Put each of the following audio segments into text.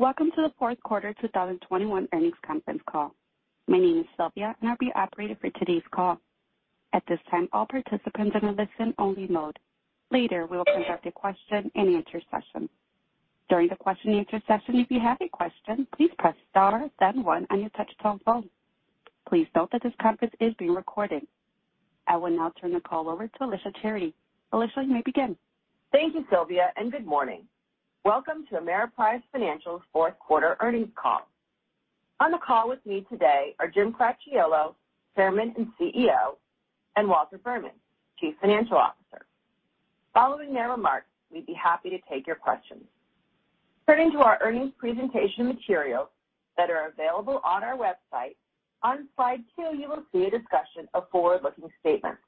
Welcome to the fourth quarter 2021 earnings conference call. My name is Sylvia, and I'll be operating for today's call. At this time, all participants are in a listen-only mode. Later, we will conduct a question-and-answer session. During the question-and-answer session, if you have a question, please press star then one on your touch-tone phone. Please note that this conference is being recorded. I will now turn the call over to Alicia Charity. Alicia, you may begin. Thank you, Sylvia, and good morning. Welcome to Ameriprise Financial fourth quarter earnings call. On the call with me today are Jim Cracchiolo, Chairman and CEO, and Walter Berman, Chief Financial Officer. Following their remarks, we'd be happy to take your questions. Turning to our earnings presentation materials that are available on our website, on slide two you will see a discussion of forward-looking statements.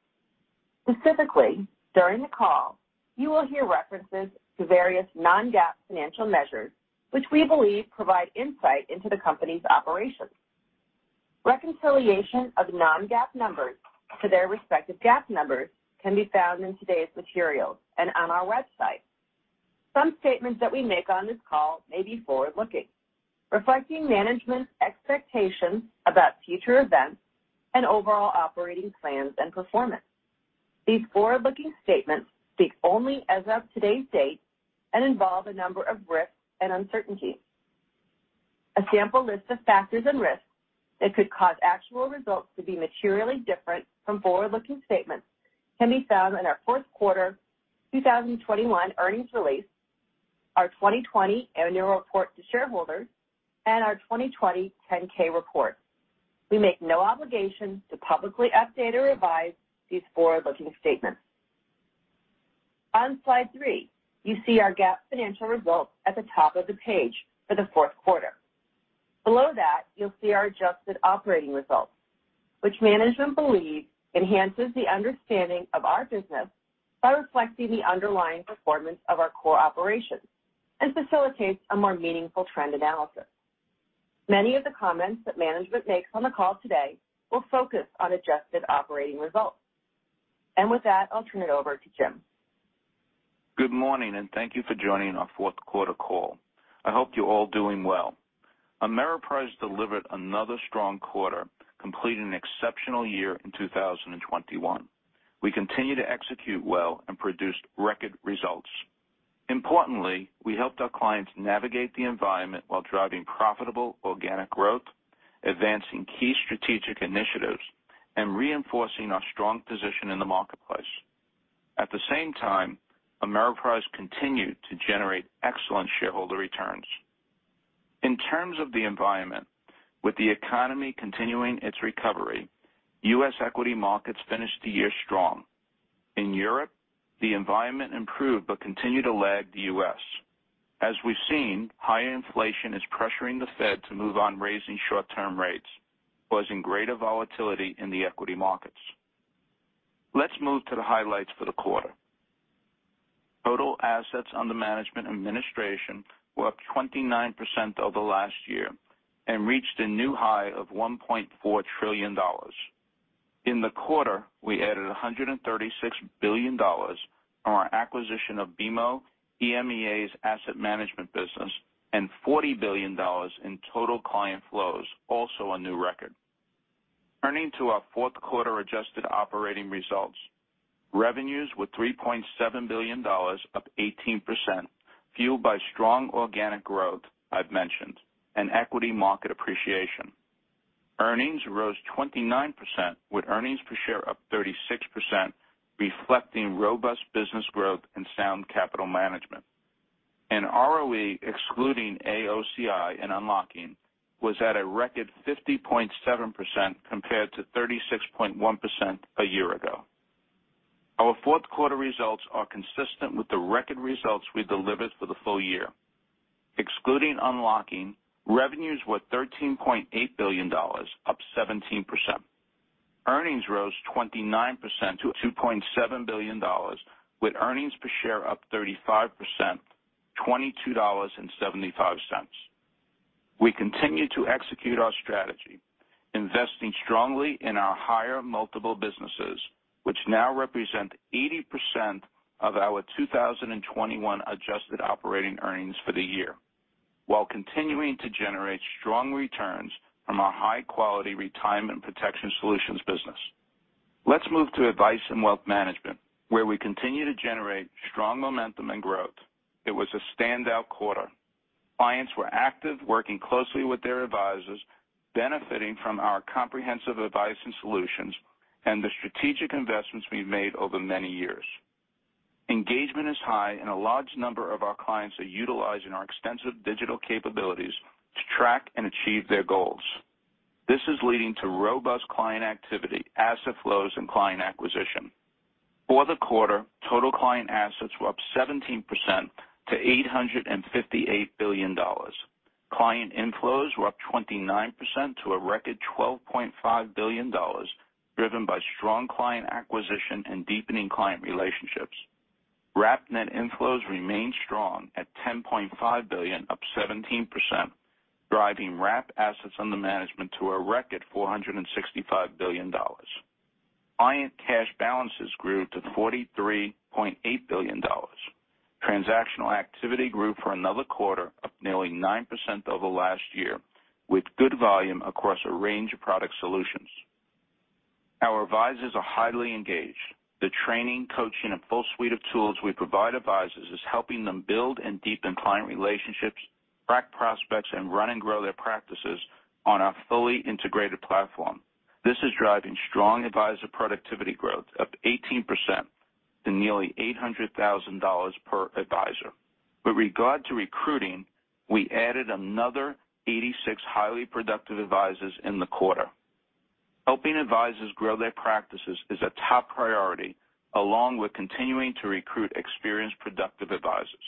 Specifically, during the call, you will hear references to various non-GAAP financial measures, which we believe provide insight into the company's operations. Reconciliation of non-GAAP numbers to their respective GAAP numbers can be found in today's materials and on our website. Some statements that we make on this call may be forward-looking, reflecting management's expectations about future events and overall operating plans and performance. These forward-looking statements speak only as of today's date and involve a number of risks and uncertainties. A sample list of factors and risks that could cause actual results to be materially different from forward-looking statements can be found in our fourth quarter 2021 earnings release, our 2020 annual report to shareholders, and our 2020 10-K report. We make no obligation to publicly update or revise these forward-looking statements. On slide three, you see our GAAP financial results at the top of the page for the fourth quarter. Below that, you'll see our adjusted operating results, which management believes enhances the understanding of our business by reflecting the underlying performance of our core operations and facilitates a more meaningful trend analysis. Many of the comments that management makes on the call today will focus on adjusted operating results. With that, I'll turn it over to Jim. Good morning, and thank you for joining our fourth quarter call. I hope you're all doing well. Ameriprise delivered another strong quarter, completing an exceptional year in 2021. We continue to execute well and produced record results. Importantly, we helped our clients navigate the environment while driving profitable organic growth, advancing key strategic initiatives, and reinforcing our strong position in the marketplace. At the same time, Ameriprise continued to generate excellent shareholder returns. In terms of the environment, with the economy continuing its recovery, U.S. equity markets finished the year strong. In Europe, the environment improved but continued to lag the U.S. As we've seen, higher inflation is pressuring the Fed to move on raising short-term rates, causing greater volatility in the equity markets. Let's move to the highlights for the quarter. Total assets under management and administration were up 29% over last year and reached a new high of $1.4 trillion. In the quarter, we added $136 billion from our acquisition of BMO EMEA's asset management business and $40 billion in total client flows, also a new record. Turning to our fourth quarter adjusted operating results, revenues were $3.7 billion, up 18%, fueled by strong organic growth I've mentioned and equity market appreciation. Earnings rose 29%, with earnings per share up 36%, reflecting robust business growth and sound capital management. ROE, excluding AOCI and unlocking, was at a record 50.7% compared to 36.1% a year ago. Our fourth quarter results are consistent with the record results we delivered for the full year. Excluding unlocking, revenues were $13.8 billion, up 17%. Earnings rose 29% to $2.7 billion, with earnings per share up 35%, $22.75. We continue to execute our strategy, investing strongly in our higher multiple businesses, which now represent 80% of our 2021 adjusted operating earnings for the year, while continuing to generate strong returns from our high-quality retirement protection solutions business. Let's move to Advice & Wealth Management, where we continue to generate strong momentum and growth. It was a standout quarter. Clients were active, working closely with their advisors, benefiting from our comprehensive advice and solutions and the strategic investments we've made over many years. Engagement is high, and a large number of our clients are utilizing our extensive digital capabilities to track and achieve their goals. This is leading to robust client activity, asset flows, and client acquisition. For the quarter, total client assets were up 17% to $858 billion. Client inflows were up 29% to a record $12.5 billion, driven by strong client acquisition and deepening client relationships. Wrap net inflows remained strong at $10.5 billion, up 17%, driving wrap assets under management to a record $465 billion. Client cash balances grew to $43.8 billion. Transactional activity grew for another quarter, up nearly 9% over last year, with good volume across a range of product solutions. Our advisors are highly engaged. The training, coaching, and full suite of tools we provide advisors is helping them build and deepen client relationships, attract prospects, and run and grow their practices on our fully integrated platform. This is driving strong advisor productivity growth of 18% to nearly $800,000 per advisor. With regard to recruiting, we added another 86 highly productive advisors in the quarter. Helping advisors grow their practices is a top priority, along with continuing to recruit experienced, productive advisors.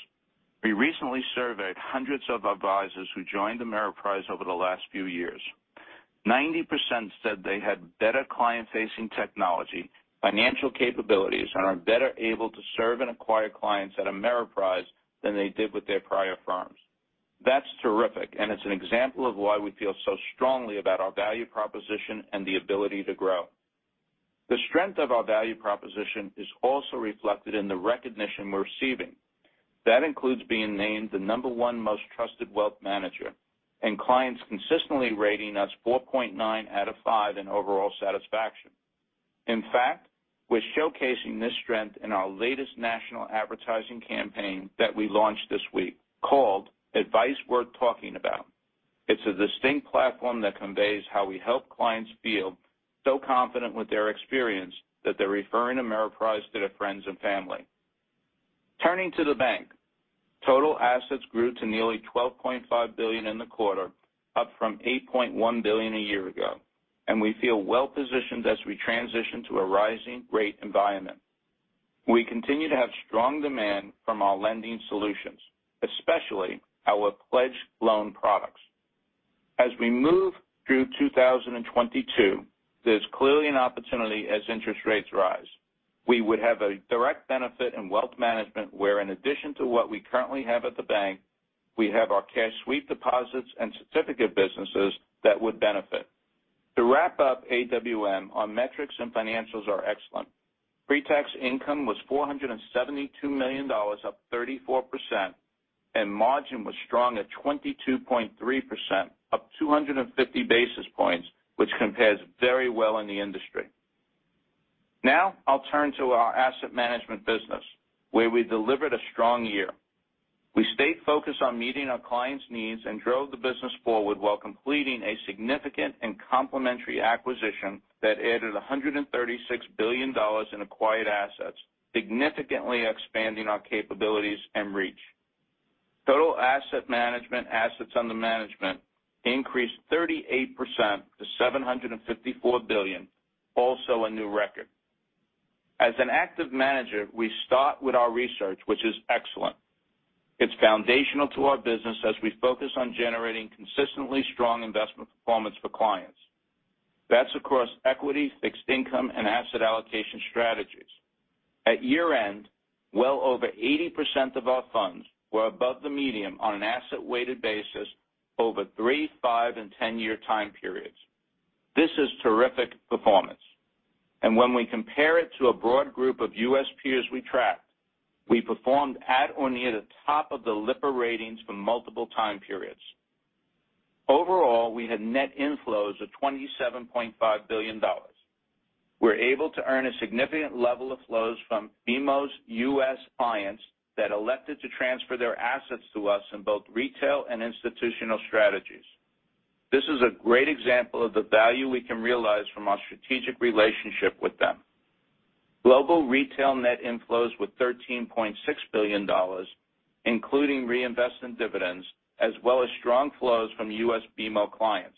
We recently surveyed hundreds of advisors who joined Ameriprise over the last few years. 90% said they had better client-facing technology, financial capabilities, and are better able to serve and acquire clients at Ameriprise than they did with their prior firms. That's terrific, and it's an example of why we feel so strongly about our value proposition and the ability to grow. The strength of our value proposition is also reflected in the recognition we're receiving. That includes being named the number one most trusted wealth manager and clients consistently rating us 4.9 out of 5 in overall satisfaction. In fact, we're showcasing this strength in our latest national advertising campaign that we launched this week called Advice Worth Talking About. It's a distinct platform that conveys how we help clients feel so confident with their experience that they're referring Ameriprise to their friends and family. Turning to the bank, total assets grew to nearly $12.5 billion in the quarter, up from $8.1 billion a year ago, and we feel well-positioned as we transition to a rising rate environment. We continue to have strong demand from our lending solutions, especially our pledged loan products. As we move through 2022, there's clearly an opportunity as interest rates rise. We would have a direct benefit in wealth management, where in addition to what we currently have at the bank, we have our cash sweep deposits and certificate businesses that would benefit. To wrap up AWM, our metrics and financials are excellent. Pre-tax income was $472 million, up 34%, and margin was strong at 22.3%, up 250 basis points, which compares very well in the industry. Now I'll turn to our asset management business, where we delivered a strong year. We stayed focused on meeting our clients' needs and drove the business forward while completing a significant and complementary acquisition that added $136 billion in acquired assets, significantly expanding our capabilities and reach. Total asset management assets under management increased 38% to $754 billion, also a new record. As an active manager, we start with our research, which is excellent. It's foundational to our business as we focus on generating consistently strong investment performance for clients. That's across equity, fixed income, and asset allocation strategies. At year-end, well over 80% of our funds were above the median on an asset-weighted basis over 3-, 5-, and 10-year time periods. This is terrific performance. When we compare it to a broad group of U.S. peers we tracked, we performed at or near the top of the Lipper ratings for multiple time periods. Overall, we had net inflows of $27.5 billion. We're able to earn a significant level of flows from BMO's U.S. clients that elected to transfer their assets to us in both retail and institutional strategies. This is a great example of the value we can realize from our strategic relationship with them. Global Retail net inflows were $13.6 billion, including reinvestment dividends, as well as strong flows from U.S. BMO clients.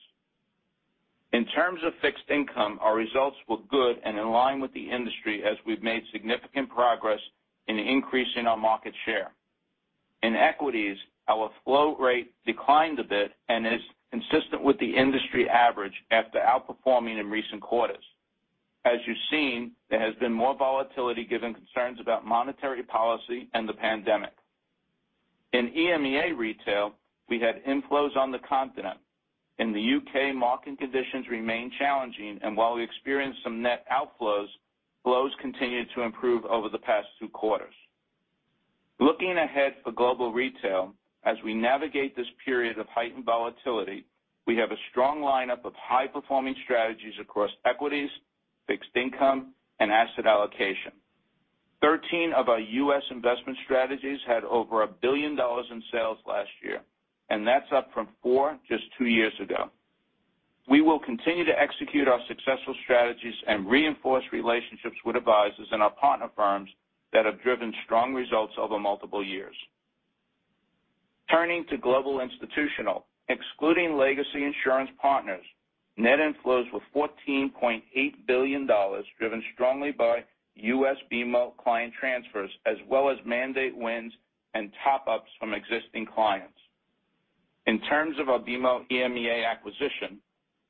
In terms of fixed income, our results were good and in line with the industry as we've made significant progress in increasing our market share. In equities, our flow rate declined a bit and is consistent with the industry average after outperforming in recent quarters. As you've seen, there has been more volatility given concerns about monetary policy and the pandemic. In EMEA Retail, we had inflows on the continent. In the U.K., market conditions remain challenging, and while we experienced some net outflows, flows continued to improve over the past two quarters. Looking ahead for Global Retail, as we navigate this period of heightened volatility, we have a strong lineup of high-performing strategies across equities, fixed income, and asset allocation. 13 of our U.S. investment strategies had over $1 billion in sales last year, and that's up from four just two years ago. We will continue to execute our successful strategies and reinforce relationships with advisors and our partner firms that have driven strong results over multiple years. Turning to Global Institutional, excluding legacy insurance partners, net inflows were $14.8 billion, driven strongly by U.S. BMO client transfers as well as mandate wins and top-ups from existing clients. In terms of our BMO EMEA acquisition,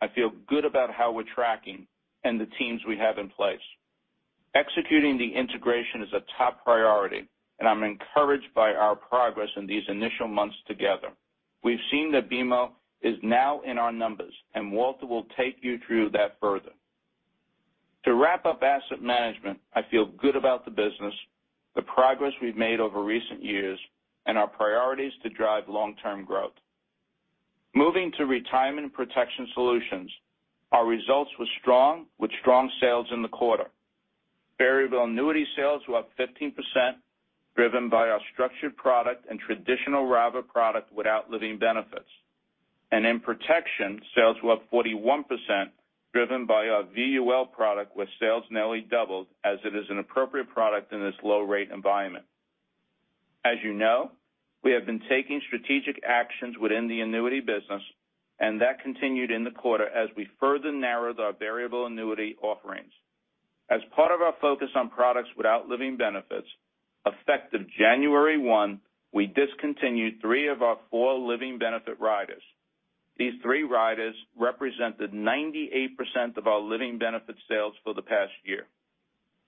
I feel good about how we're tracking and the teams we have in place. Executing the integration is a top priority, and I'm encouraged by our progress in these initial months together. We've seen that BMO is now in our numbers, and Walter will take you through that further. To wrap up asset management, I feel good about the business, the progress we've made over recent years, and our priorities to drive long-term growth. Moving to retirement protection solutions. Our results were strong with strong sales in the quarter. Variable annuity sales were up 15%, driven by our structured product and traditional RAVA product without living benefits. In protection, sales were up 41%, driven by our VUL product, where sales nearly doubled as it is an appropriate product in this low-rate environment. As you know, we have been taking strategic actions within the annuity business, and that continued in the quarter as we further narrowed our variable annuity offerings. As part of our focus on products without living benefits, effective January 1, we discontinued three of our four living benefit riders. These three riders represented 98% of our living benefit sales for the past year.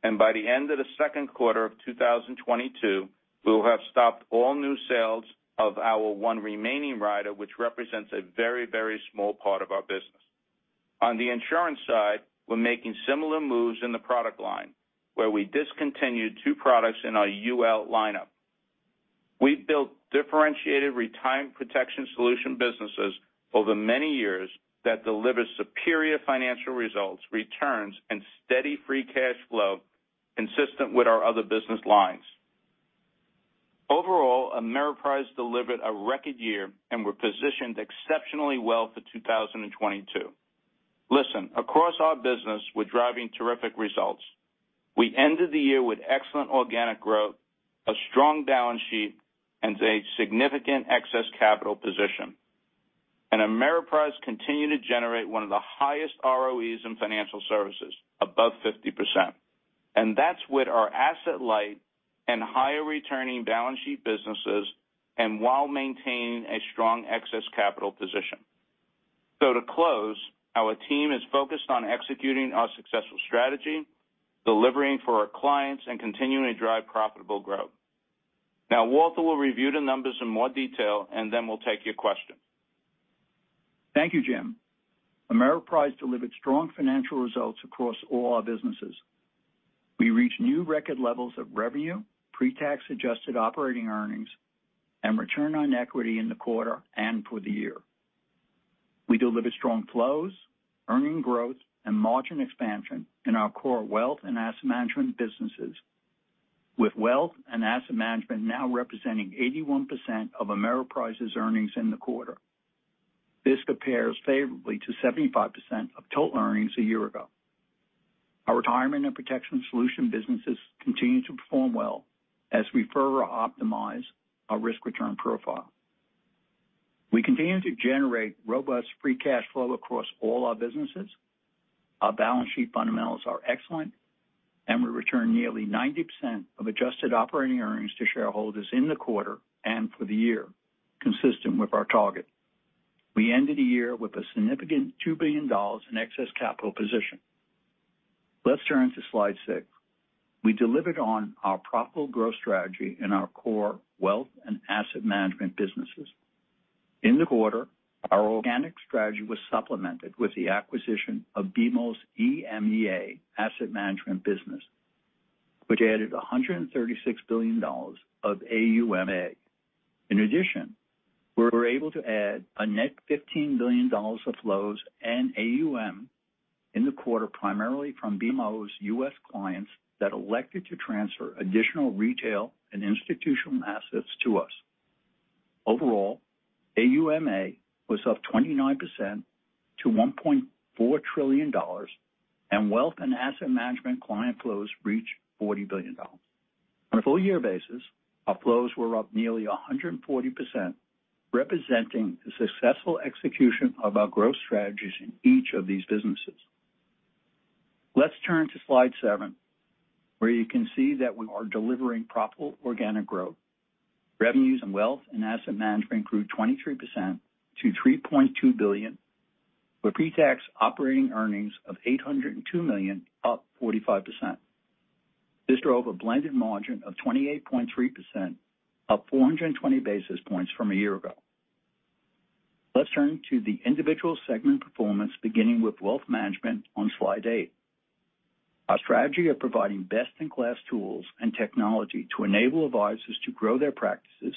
By the end of the second quarter of 2022, we will have stopped all new sales of our one remaining rider, which represents a very, very small part of our business. On the insurance side, we're making similar moves in the product line, where we discontinued two products in our UL lineup. We've built differentiated retirement protection solution businesses over many years that deliver superior financial results, returns, and steady free cash flow consistent with our other business lines. Overall, Ameriprise delivered a record year, and we're positioned exceptionally well for 2022. Listen, across our business, we're driving terrific results. We ended the year with excellent organic growth, a strong balance sheet, and a significant excess capital position. Ameriprise continue to generate one of the highest ROEs in financial services, above 50%. That's with our asset light and higher returning balance sheet businesses and while maintaining a strong excess capital position. To close, our team is focused on executing our successful strategy, delivering for our clients, and continuing to drive profitable growth. Now, Walter will review the numbers in more detail, and then we'll take your questions. Thank you, Jim. Ameriprise delivered strong financial results across all our businesses. We reached new record levels of revenue, pre-tax adjusted operating earnings, and return on equity in the quarter and for the year. We delivered strong flows, earnings growth, and margin expansion in our core wealth and asset management businesses, with wealth and asset management now representing 81% of Ameriprise's earnings in the quarter. This compares favorably to 75% of total earnings a year ago. Our retirement and protection solution businesses continue to perform well as we further optimize our risk-return profile. We continue to generate robust free cash flow across all our businesses. Our balance sheet fundamentals are excellent, and we return nearly 90% of adjusted operating earnings to shareholders in the quarter and for the year, consistent with our target. We ended the year with a significant $2 billion in excess capital position. Let's turn to slide six. We delivered on our profitable growth strategy in our core wealth and asset management businesses. In the quarter, our organic strategy was supplemented with the acquisition of BMO's EMEA asset management business, which added $136 billion of AUMA. In addition, we were able to add a net $15 billion of flows and AUM in the quarter, primarily from BMO's U.S. clients that elected to transfer additional retail and institutional assets to us. Overall, AUMA was up 29% to $1.4 trillion, and wealth and asset management client flows reached $40 billion. On a full year basis, our flows were up nearly 140%, representing the successful execution of our growth strategies in each of these businesses. Let's turn to slide seven, where you can see that we are delivering profitable organic growth. Revenues and wealth and asset management grew 23% to $3.2 billion, with pre-tax operating earnings of $802 million, up 45%. This drove a blended margin of 28.3%, up 420 basis points from a year ago. Let's turn to the individual segment performance, beginning with wealth management on slide eight. Our strategy of providing best-in-class tools and technology to enable advisors to grow their practices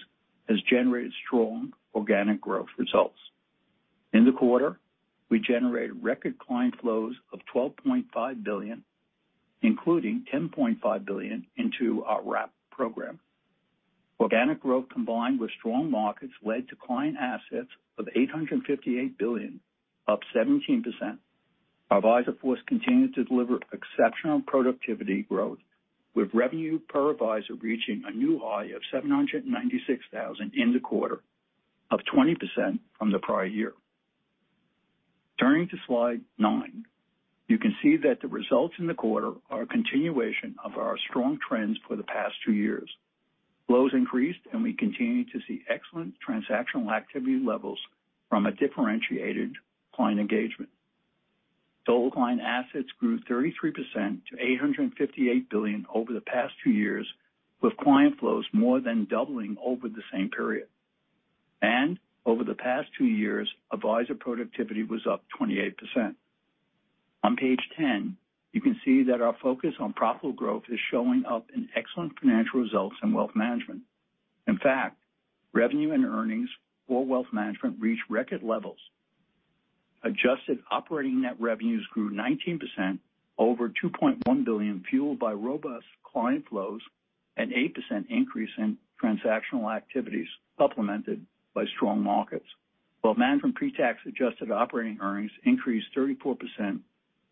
has generated strong organic growth results. In the quarter, we generated record client flows of $12.5 billion, including $10.5 billion into our wrap program. Organic growth combined with strong markets led to client assets of $858 billion, up 17%. Our advisor force continued to deliver exceptional productivity growth, with revenue per advisor reaching a new high of $796,000 in the quarter, up 20% from the prior year. Turning to slide nine, you can see that the results in the quarter are a continuation of our strong trends for the past two years. Flows increased, and we continue to see excellent transactional activity levels from a differentiated client engagement. Total client assets grew 33% to $858 billion over the past two years, with client flows more than doubling over the same period. Over the past two years, advisor productivity was up 28%. On page 10, you can see that our focus on profitable growth is showing up in excellent financial results in wealth management. In fact, revenue and earnings for wealth management reached record levels. Adjusted operating net revenues grew 19% over $2.1 billion, fueled by robust client flows, an 8% increase in transactional activities supplemented by strong markets. Wealth management pretax adjusted operating earnings increased 34%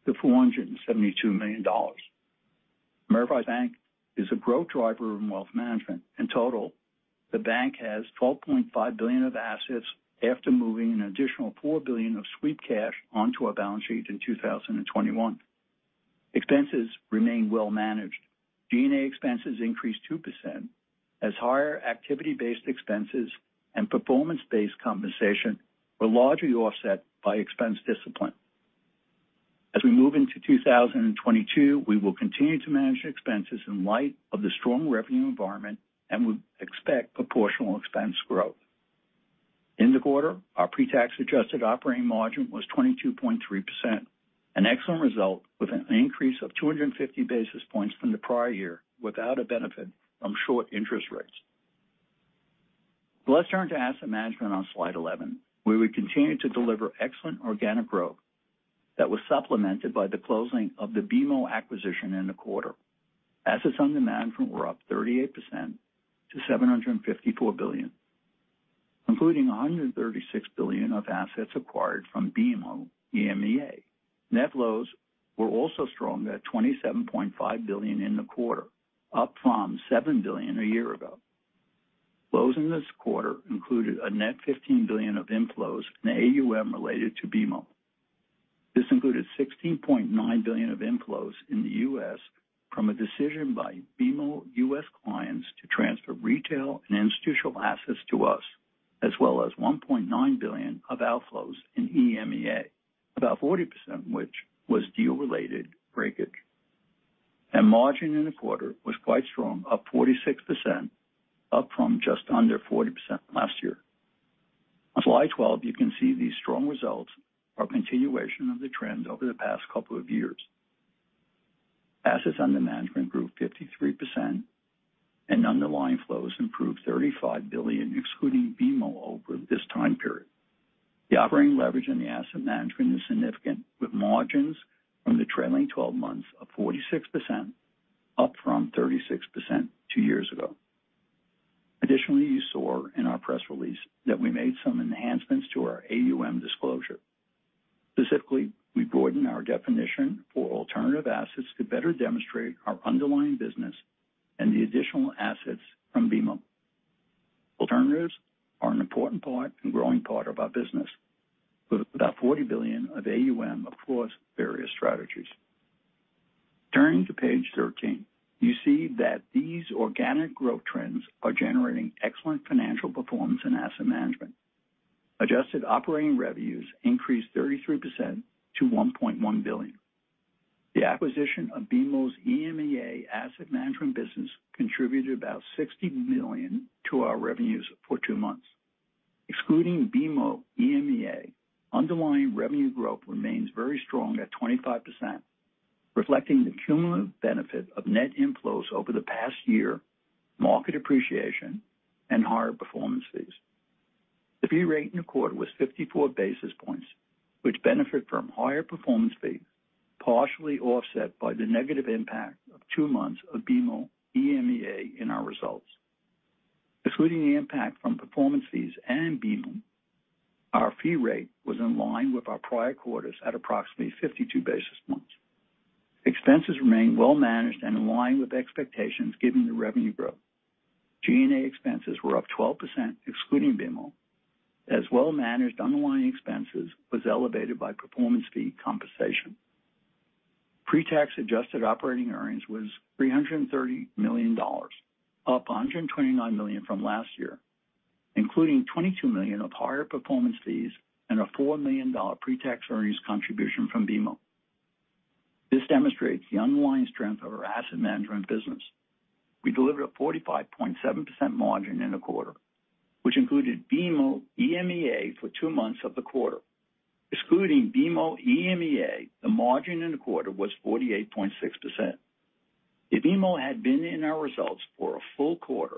to $472 million. Ameriprise Bank is a growth driver in wealth management. In total, the bank has $12.5 billion of assets after moving an additional $4 billion of sweep cash onto our balance sheet in 2021. Expenses remain well managed. G&A expenses increased 2% as higher activity-based expenses and performance-based compensation were largely offset by expense discipline. As we move into 2022, we will continue to manage expenses in light of the strong revenue environment and would expect proportional expense growth. In the quarter, our pretax adjusted operating margin was 22.3%, an excellent result with an increase of 250 basis points from the prior year without a benefit from short interest rates. Let's turn to asset management on slide 11, where we continue to deliver excellent organic growth that was supplemented by the closing of the BMO acquisition in the quarter. Assets under management were up 38% to $754 billion, including $136 billion of assets acquired from BMO EMEA. Net flows were also strong at $27.5 billion in the quarter, up from $7 billion a year ago. Flows in this quarter included a net $15 billion of inflows in AUM related to BMO. This included $16.9 billion of inflows in the U.S. from a decision by BMO U.S. clients to transfer retail and institutional assets to us, as well as $1.9 billion of outflows in EMEA, about 40% which was deal-related breakage. Margin in the quarter was quite strong, up 46%, up from just under 40% last year. On slide 12, you can see these strong results are a continuation of the trend over the past couple of years. Assets under management grew 53%, and underlying flows improved $35 billion, excluding BMO over this time period. The operating leverage in the asset management is significant, with margins from the trailing twelve months of 46%, up from 36% two years ago. Additionally, you saw in our press release that we made some enhancements to our AUM disclosure. Specifically, we broadened our definition for alternative assets to better demonstrate our underlying business and the additional assets from BMO. Alternatives are an important part and growing part of our business, with about $40 billion of AUM across various strategies. Turning to page 13, you see that these organic growth trends are generating excellent financial performance in asset management. Adjusted operating revenues increased 33% to $1.1 billion. The acquisition of BMO's EMEA asset management business contributed about $60 million to our revenues for two months. Excluding BMO EMEA, underlying revenue growth remains very strong at 25%, reflecting the cumulative benefit of net inflows over the past year, market appreciation, and higher performance fees. The fee rate in the quarter was 54 basis points, which benefit from higher performance fees, partially offset by the negative impact of two months of BMO EMEA in our results. Excluding the impact from performance fees and BMO, our fee rate was in line with our prior quarters at approximately 52 basis points. Expenses remain well managed and in line with expectations given the revenue growth. G&A expenses were up 12%, excluding BMO, as well-managed underlying expenses was elevated by performance fee compensation. Pretax adjusted operating earnings was $330 million, up $129 million from last year, including $22 million of higher performance fees and a $4 million pretax earnings contribution from BMO. This demonstrates the underlying strength of our asset management business. We delivered a 45.7% margin in the quarter, which included BMO EMEA for two months of the quarter. Excluding BMO EMEA, the margin in the quarter was 48.6%. If BMO had been in our results for a full quarter,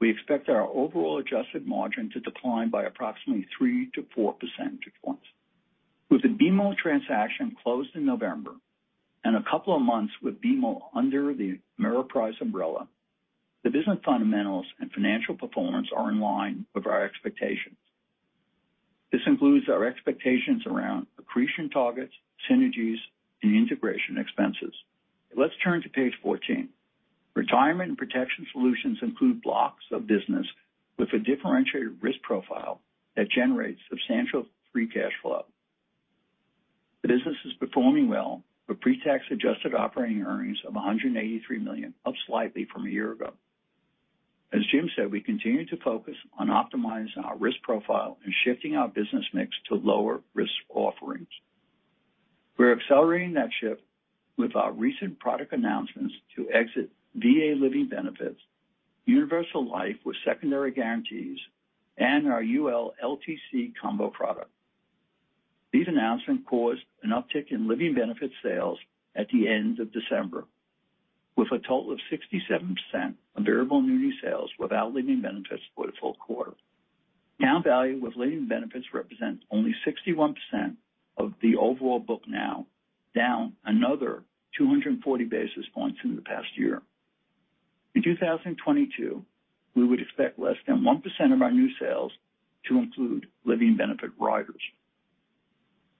we expect our overall adjusted margin to decline by approximately 3-4 percentage points. With the BMO transaction closed in November and a couple of months with BMO under the Ameriprise umbrella, the business fundamentals and financial performance are in line with our expectations. This includes our expectations around accretion targets, synergies, and integration expenses. Let's turn to page 14. Retirement and protection solutions include blocks of business with a differentiated risk profile that generates substantial free cash flow. The business is performing well with pre-tax adjusted operating earnings of $183 million, up slightly from a year ago. As Jim said, we continue to focus on optimizing our risk profile and shifting our business mix to lower risk offerings. We're accelerating that shift with our recent product announcements to exit VA Living Benefits, Universal Life with secondary guarantees, and our UL LTC combo product. These announcements caused an uptick in living benefit sales at the end of December, with a total of 67% of variable annuity sales without living benefits for the full quarter. Now value with living benefits represents only 61% of the overall book now, down another 240 basis points in the past year. In 2022, we would expect less than 1% of our new sales to include living benefit riders.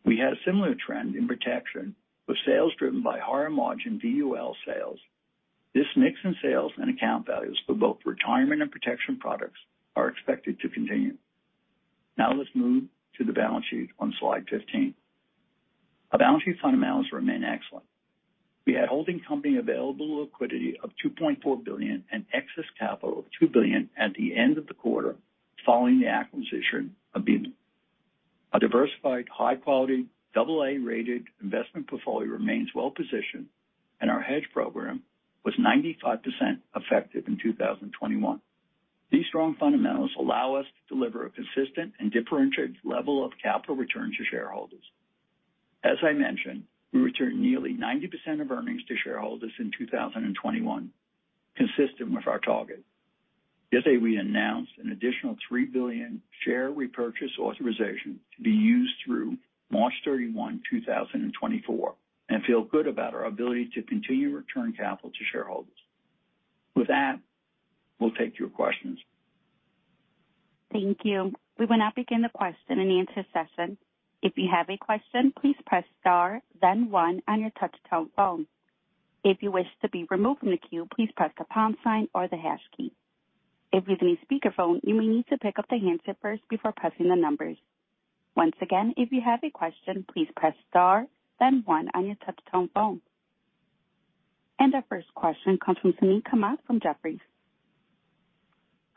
We had a similar trend in protection with sales driven by higher margin VUL sales. This mix in sales and account values for both retirement and protection products are expected to continue. Now let's move to the balance sheet on slide 15. Our balance sheet fundamentals remain excellent. We had holding company available liquidity of $2.4 billion and excess capital of $2 billion at the end of the quarter following the acquisition of BMO EMEA. Our diversified high quality double A-rated investment portfolio remains well-positioned, and our hedge program was 95% effective in 2021. These strong fundamentals allow us to deliver a consistent and differentiated level of capital return to shareholders. As I mentioned, we returned nearly 90% of earnings to shareholders in 2021, consistent with our target. Yesterday, we announced an additional $3 billion share repurchase authorization to be used through March 31, 2024, and feel good about our ability to continue to return capital to shareholders. With that, we'll take your questions. Thank you. We will now begin the question and answer session. If you have a question, please press star then one on your touch-tone phone. If you wish to be removed from the queue, please press the pound sign or the hash key. If using a speakerphone, you may need to pick up the handset first before pressing the numbers. Once again, if you have a question, please press star then one on your touch-tone phone. Our first question comes from Suneet Kamath from Jefferies.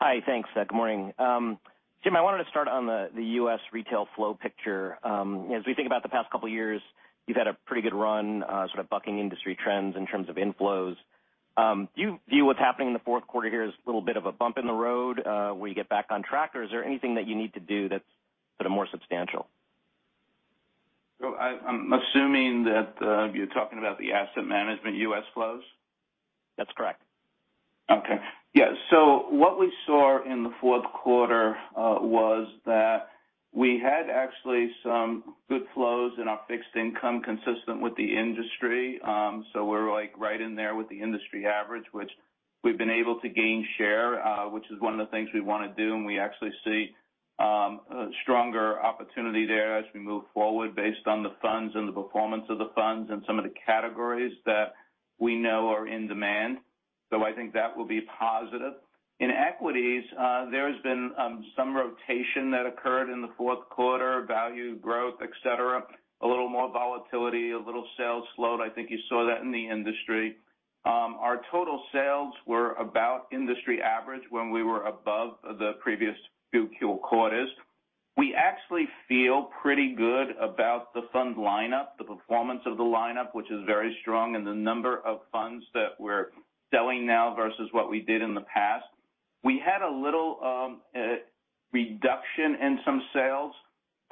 Hi. Thanks. Good morning. Jim, I wanted to start on the U.S. retail flow picture. As we think about the past couple of years, you've had a pretty good run, sort of bucking industry trends in terms of inflows. Do you view what's happening in the fourth quarter here as a little bit of a bump in the road, where you get back on track, or is there anything that you need to do that's sort of more substantial? I'm assuming that you're talking about the asset management U.S. flows. That's correct. Okay. Yeah. What we saw in the fourth quarter was that we had actually some good flows in our fixed income consistent with the industry. We're like right in there with the industry average, which we've been able to gain share, which is one of the things we wanna do, and we actually see stronger opportunity there as we move forward based on the funds and the performance of the funds and some of the categories that we know are in demand. I think that will be positive. In equities, there has been some rotation that occurred in the fourth quarter, value growth, et cetera, a little more volatility, a little sales slowed. I think you saw that in the industry. Our total sales were about industry average when we were above the previous few quarters. We actually feel pretty good about the fund lineup, the performance of the lineup, which is very strong, and the number of funds that we're selling now versus what we did in the past. We had a little reduction in some sales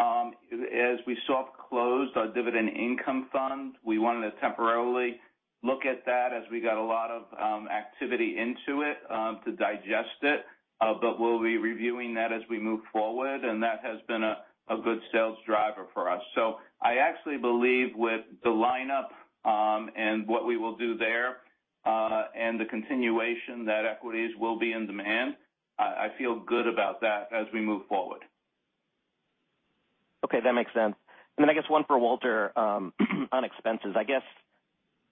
as we soft closed our dividend income fund. We wanted to temporarily look at that as we got a lot of activity into it to digest it. We'll be reviewing that as we move forward, and that has been a good sales driver for us. I actually believe with the lineup and what we will do there and the continuation that equities will be in demand. I feel good about that as we move forward. Okay, that makes sense. I guess one for Walter on expenses. I guess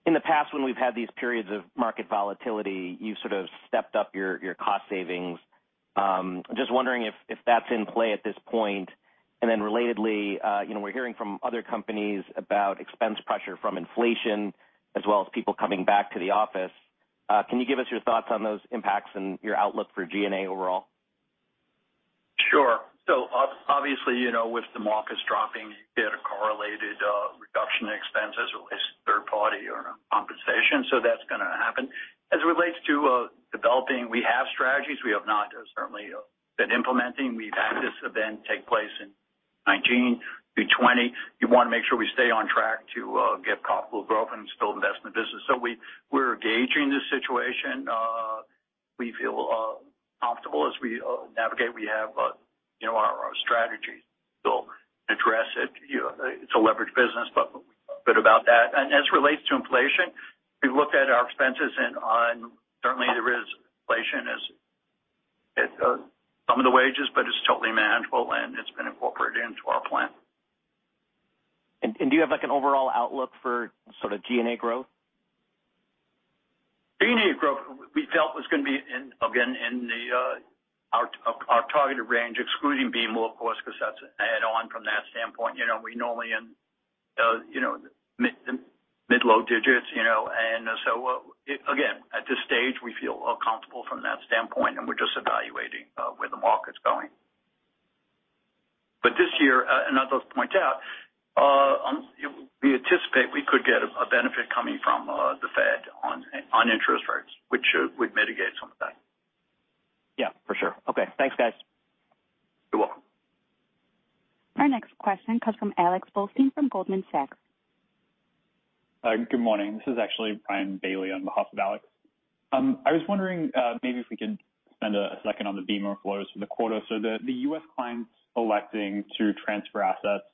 in the past when we've had these periods of market volatility, you sort of stepped up your cost savings. Just wondering if that's in play at this point. Relatedly, you know, we're hearing from other companies about expense pressure from inflation as well as people coming back to the office. Can you give us your thoughts on those impacts and your outlook for G&A overall? Sure. Obviously, you know, with the markets dropping, you get a correlated reduction in expenses related to third party or compensation. That's gonna happen. As it relates to developing, we have strategies we have not certainly been implementing. We've had this event take place in 2019 through 2020. We wanna make sure we stay on track to get profitable growth and still invest in the business. We're gauging the situation. We feel comfortable as we navigate. We have, you know, our strategies to address it. You know, it's a leveraged business, but good about that. As it relates to inflation, we've looked at our expenses and certainly there is inflation in some of the wages, but it's totally manageable and it's been incorporated into our plan. Do you have, like, an overall outlook for sort of G&A growth? BMO growth we felt was going to be in, again, in the our targeted range, excluding BMO, of course, because that's add on from that standpoint. You know, we normally in, you know, mid- to low digits, you know. Again, at this stage, we feel comfortable from that standpoint, and we're just evaluating where the market's going. This year, and I'd also point out, we anticipate we could get a benefit coming from the Fed on interest rates, which would mitigate some of that. Yeah, for sure. Okay. Thanks, guys. You're welcome. Our next question comes from Alex Blostein from Goldman Sachs. Hi. Good morning. This is actually Brian Bedell on behalf of Alex. I was wondering, maybe if we could spend a second on the BMO flows for the quarter. The U.S. clients electing to transfer assets,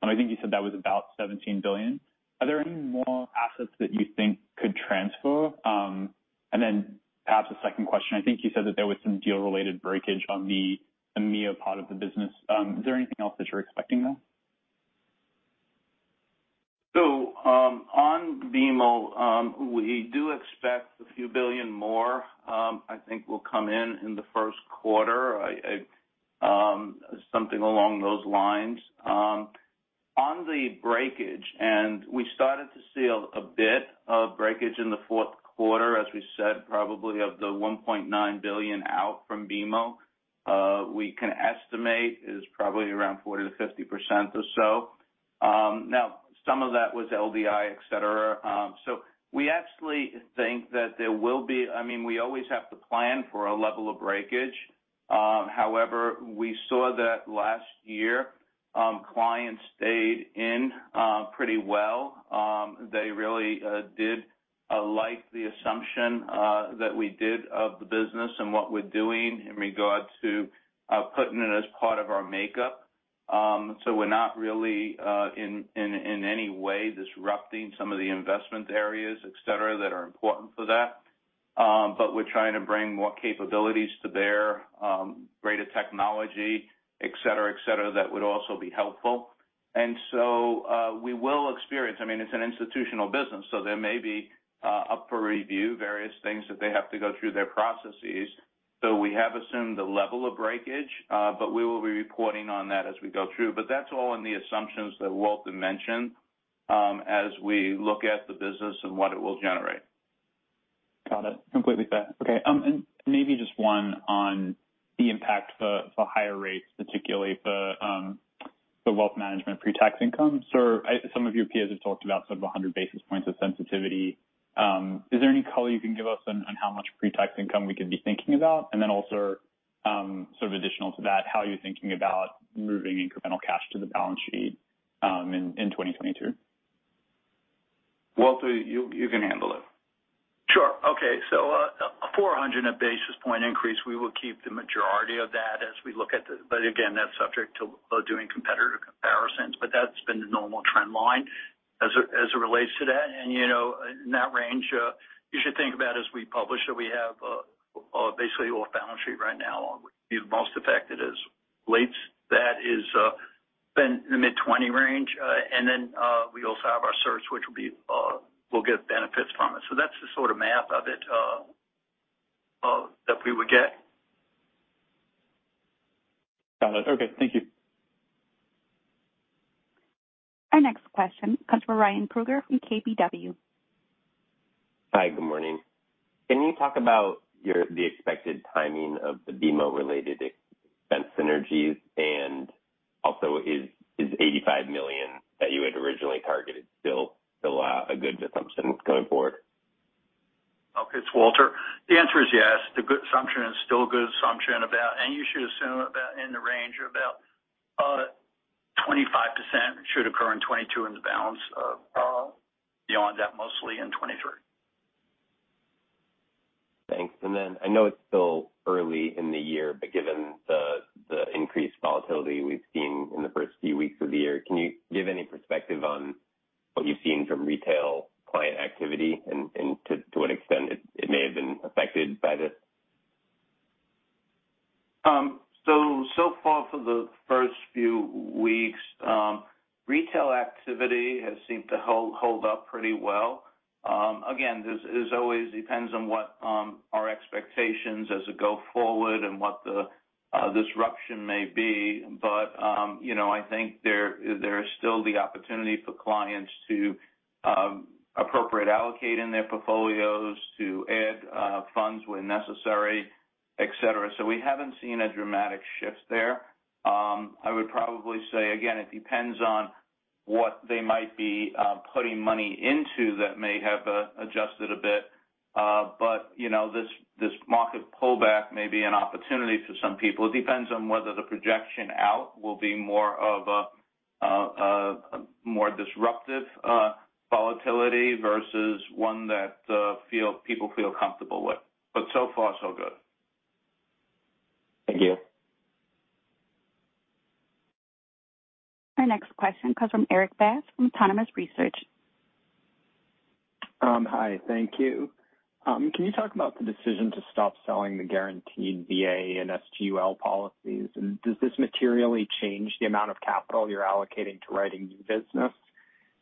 and I think you said that was about $17 billion. Are there any more assets that you think could transfer? And then perhaps a second question. I think you said that there was some deal-related breakage on the EMEA part of the business. Is there anything else that you're expecting there? On BMO, we do expect a few billion more, something along those lines. On the breakage, we started to see a bit of breakage in the fourth quarter, as we said. Probably of the $1.9 billion out from BMO, we can estimate is probably around 40%-50% or so. Now some of that was LDI, et cetera. We actually think that there will be. I mean, we always have to plan for a level of breakage. However, we saw that last year, clients stayed in pretty well. They really did like the acquisition that we did of the business and what we're doing in regards to putting it as part of our makeup. We're not really in any way disrupting some of the investment areas, et cetera, that are important for that. We're trying to bring more capabilities to bear, greater technology, et cetera, et cetera, that would also be helpful. We will experience. I mean, it's an institutional business, so there may be up for review various things that they have to go through their processes. We have assumed a level of breakage, but we will be reporting on that as we go through. That's all in the assumptions that Walter mentioned, as we look at the business and what it will generate. Got it. Completely fair. Okay. Maybe just one on the impact for higher rates, particularly the wealth management pre-tax income. Some of your peers have talked about sort of 100 basis points of sensitivity. Is there any color you can give us on how much pre-tax income we could be thinking about? Then also, sort of additional to that, how you're thinking about moving incremental cash to the balance sheet in 2022. Walter, you can handle it. Sure. Okay. 400 basis point increase, we will keep the majority of that but again, that's subject to doing competitor comparisons. That's been the normal trend line as it relates to that. You know, in that range, you should think about as we publish that we have basically off balance sheet right now. The most affected is LATES. That is been in the mid-20 range. We also have our service, which will be, we'll get benefits from it. That's the sort of map of it that we would get. Got it. Okay. Thank you. Our next question comes from Ryan Krueger from KBW. Hi. Good morning. Can you talk about the expected timing of the BMO related expense synergies and also is $85 million that you had originally targeted still a good assumption going forward? Okay. It's Walter. The answer is yes. The good assumption is still a good assumption, and you should assume in the range of about 25% should occur in 2022 and the balance beyond that, mostly in 2023. Thanks. Then I know it's still early in the year, but given the increased volatility we've seen in the first few weeks of the year, can you give any perspective on what you've seen from retail client activity and to what extent it may have been affected by this? So far for the first few weeks, retail activity has seemed to hold up pretty well. Again, this always depends on what our expectations going forward and what the disruption may be. You know, I think there is still the opportunity for clients to appropriately allocate in their portfolios to add funds when necessary, et cetera. We haven't seen a dramatic shift there. I would probably say again, it depends on what they might be putting money into that may have adjusted a bit. You know, this market pullback may be an opportunity for some people. It depends on whether the projection out will be more of a more disruptive volatility versus one that people feel comfortable with. So far so good. Thank you. Our next question comes from Erik Bass, from Autonomous Research. Hi. Thank you. Can you talk about the decision to stop selling the guaranteed VA and SGUL policies? Does this materially change the amount of capital you're allocating to writing new business?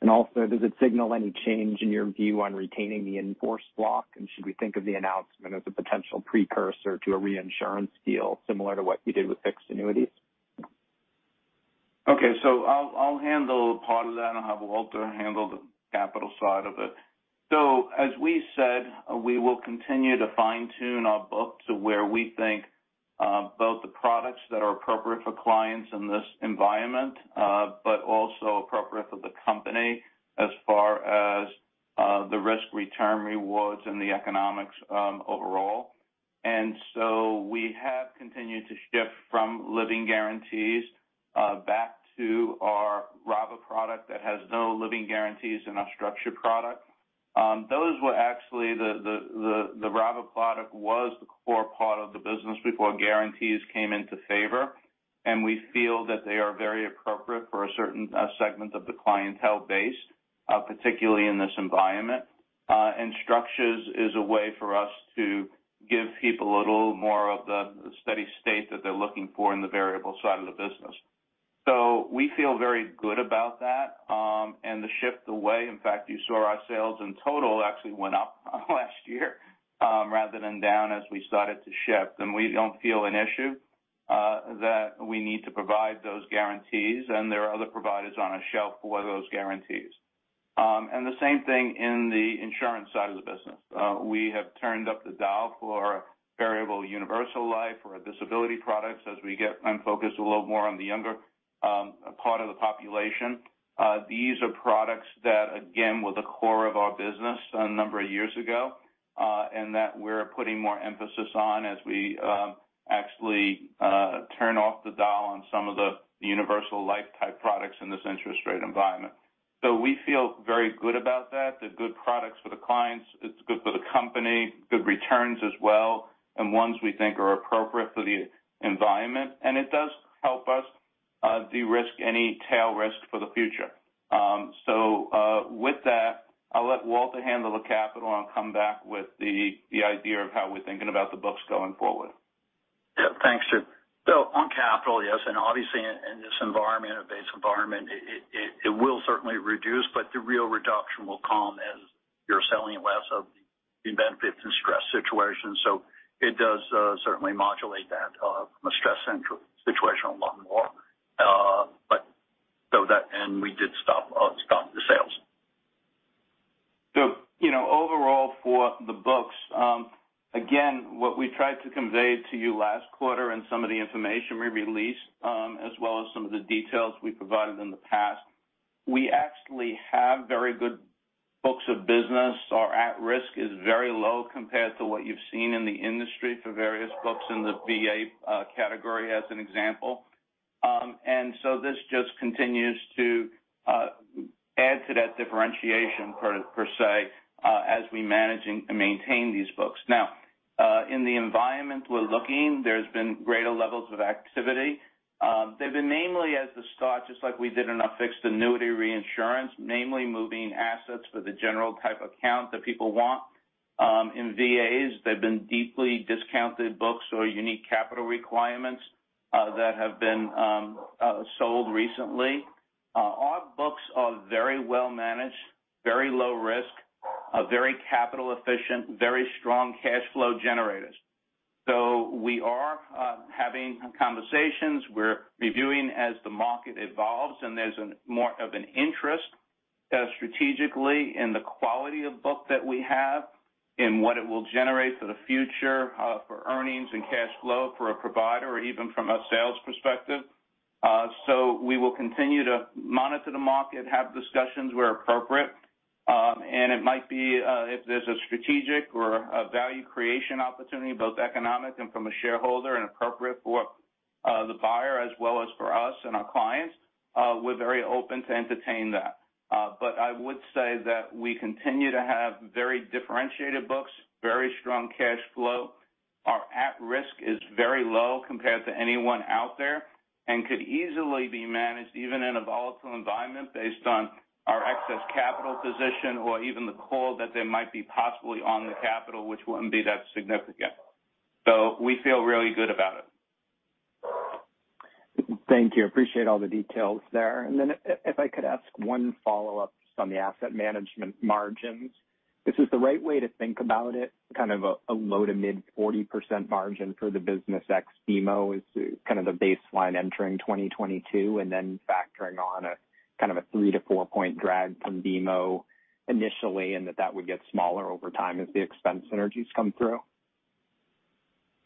Also, does it signal any change in your view on retaining the in-force block? Should we think of the announcement as a potential precursor to a reinsurance deal similar to what you did with fixed annuities? Okay, I'll handle part of that, and I'll have Walter handle the capital side of it. As we said, we will continue to fine-tune our book to where we think both the products that are appropriate for clients in this environment, but also appropriate for the company as far as the risk-return rewards and the economics overall. We have continued to shift from living guarantees back to our RAVA product that has no living guarantees in our structured product. Those were actually the RAVA product was the core part of the business before guarantees came into favor, and we feel that they are very appropriate for a certain segment of the clientele base, particularly in this environment. Structures is a way for us to give people a little more of the steady state that they're looking for in the variable side of the business. We feel very good about that and the shift away. In fact, you saw our sales in total actually went up last year, rather than down as we started to shift. We don't feel an issue that we need to provide those guarantees, and there are other providers on a shelf who offer those guarantees. The same thing in the insurance side of the business. We have turned up the dial for our Variable Universal Life or our disability products as we get to focus a little more on the younger part of the population. These are products that, again, were the core of our business a number of years ago, and that we're putting more emphasis on as we, actually, turn off the dial on some of the universal life-type products in this interest rate environment. We feel very good about that. They're good products for the clients, it's good for the company, good returns as well, and ones we think are appropriate for the environment, and it does help us de-risk any tail risk for the future. With that, I'll let Walter handle the capital, and I'll come back with the idea of how we're thinking about the books going forward. Yeah. Thanks, Jim. On capital, yes, and obviously in this environment, a base environment, it will certainly reduce, but the real reduction will come as you're selling less of the benefits in stress situations. It does certainly modulate that from a stress capital situation a lot more, but so that we did stop the sales. You know, overall for the books, again, what we tried to convey to you last quarter and some of the information we released, as well as some of the details we provided in the past, we actually have very good books of business. Our at-risk is very low compared to what you've seen in the industry for various books in the VA category as an example. This just continues to add to that differentiation per se, as we manage and maintain these books. Now, in the environment we're looking, there's been greater levels of activity. They've been mainly at the start, just like we did in our fixed annuity reinsurance, namely moving assets to the general account that people want in VAs. They've been deeply discounted books or unique capital requirements that have been sold recently. Our books are very well managed, very low risk, very capital efficient, very strong cash flow generators. We are having conversations. We're reviewing as the market evolves, and there's more of an interest strategically in the quality of book that we have and what it will generate for the future for earnings and cash flow for a provider or even from a sales perspective. We will continue to monitor the market, have discussions where appropriate, and it might be if there's a strategic or a value creation opportunity, both economic and from a shareholder and appropriate for the buyer as well as for us and our clients. We're very open to entertain that. I would say that we continue to have very differentiated books, very strong cash flow. Our at-risk is very low compared to anyone out there and could easily be managed even in a volatile environment based on our excess capital position or even the call that there might be possibly on the capital, which wouldn't be that significant. We feel really good about it. Thank you. I appreciate all the details there. Then if I could ask one follow-up just on the asset management margins. Is this the right way to think about it, kind of a low- to mid-40% margin for the business ex BMO is kind of the baseline entering 2022, and then factoring in a kind of a 3-4 point drag from BMO initially, and that would get smaller over time as the expense synergies come through?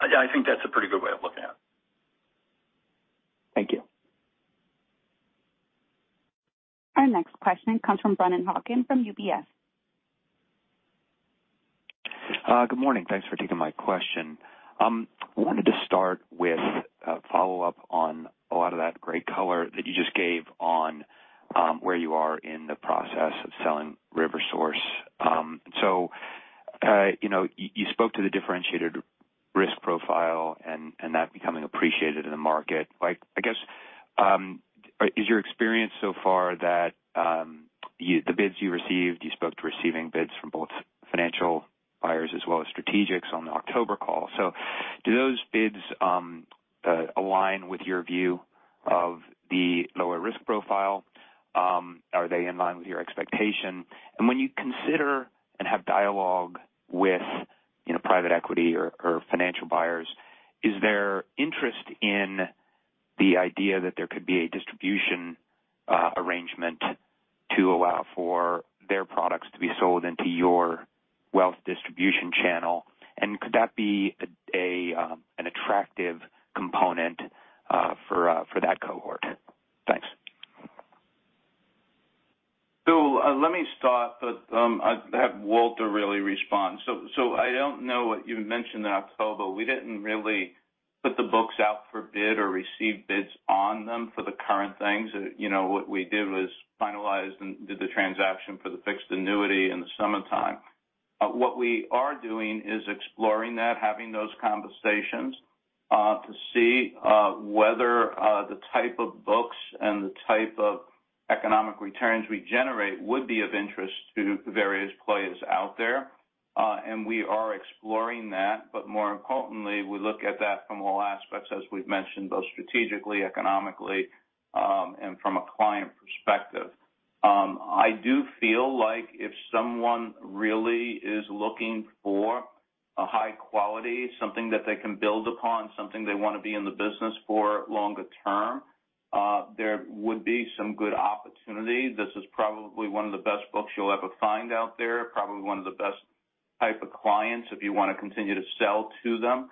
I think that's a pretty good way of looking at it. Thank you. Our next question comes from Brennan Hawken from UBS. Good morning. Thanks for taking my question. I wanted to start with a follow-up on a lot of that great color that you just gave on where you are in the process of selling RiverSource. You know, you spoke to the differentiated risk profile and that becoming appreciated in the market. Like, I guess, is your experience so far that the bids you received, you spoke to receiving bids from financial buyers as well as strategics on the October call. Do those bids align with your view of the lower risk profile? Are they in line with your expectation? When you consider and have dialogue with, you know, private equity or financial buyers, is there interest in the idea that there could be a distribution arrangement to allow for their products to be sold into your wealth distribution channel? Could that be an attractive component for that cohort? Thanks. Let me start, I'll have Walter really respond. I don't know what you mentioned in October. We didn't really put the books out for bid or receive bids on them for the current things. You know, what we did was finalized and did the transaction for the fixed annuity in the summertime. What we are doing is exploring that, having those conversations, to see whether the type of books and the type of economic returns we generate would be of interest to various players out there. We are exploring that. More importantly, we look at that from all aspects as we've mentioned, both strategically, economically, and from a client perspective. I do feel like if someone really is looking for a high quality, something that they can build upon, something they want to be in the business for longer term, there would be some good opportunity. This is probably one of the best books you'll ever find out there, probably one of the best type of clients if you want to continue to sell to them,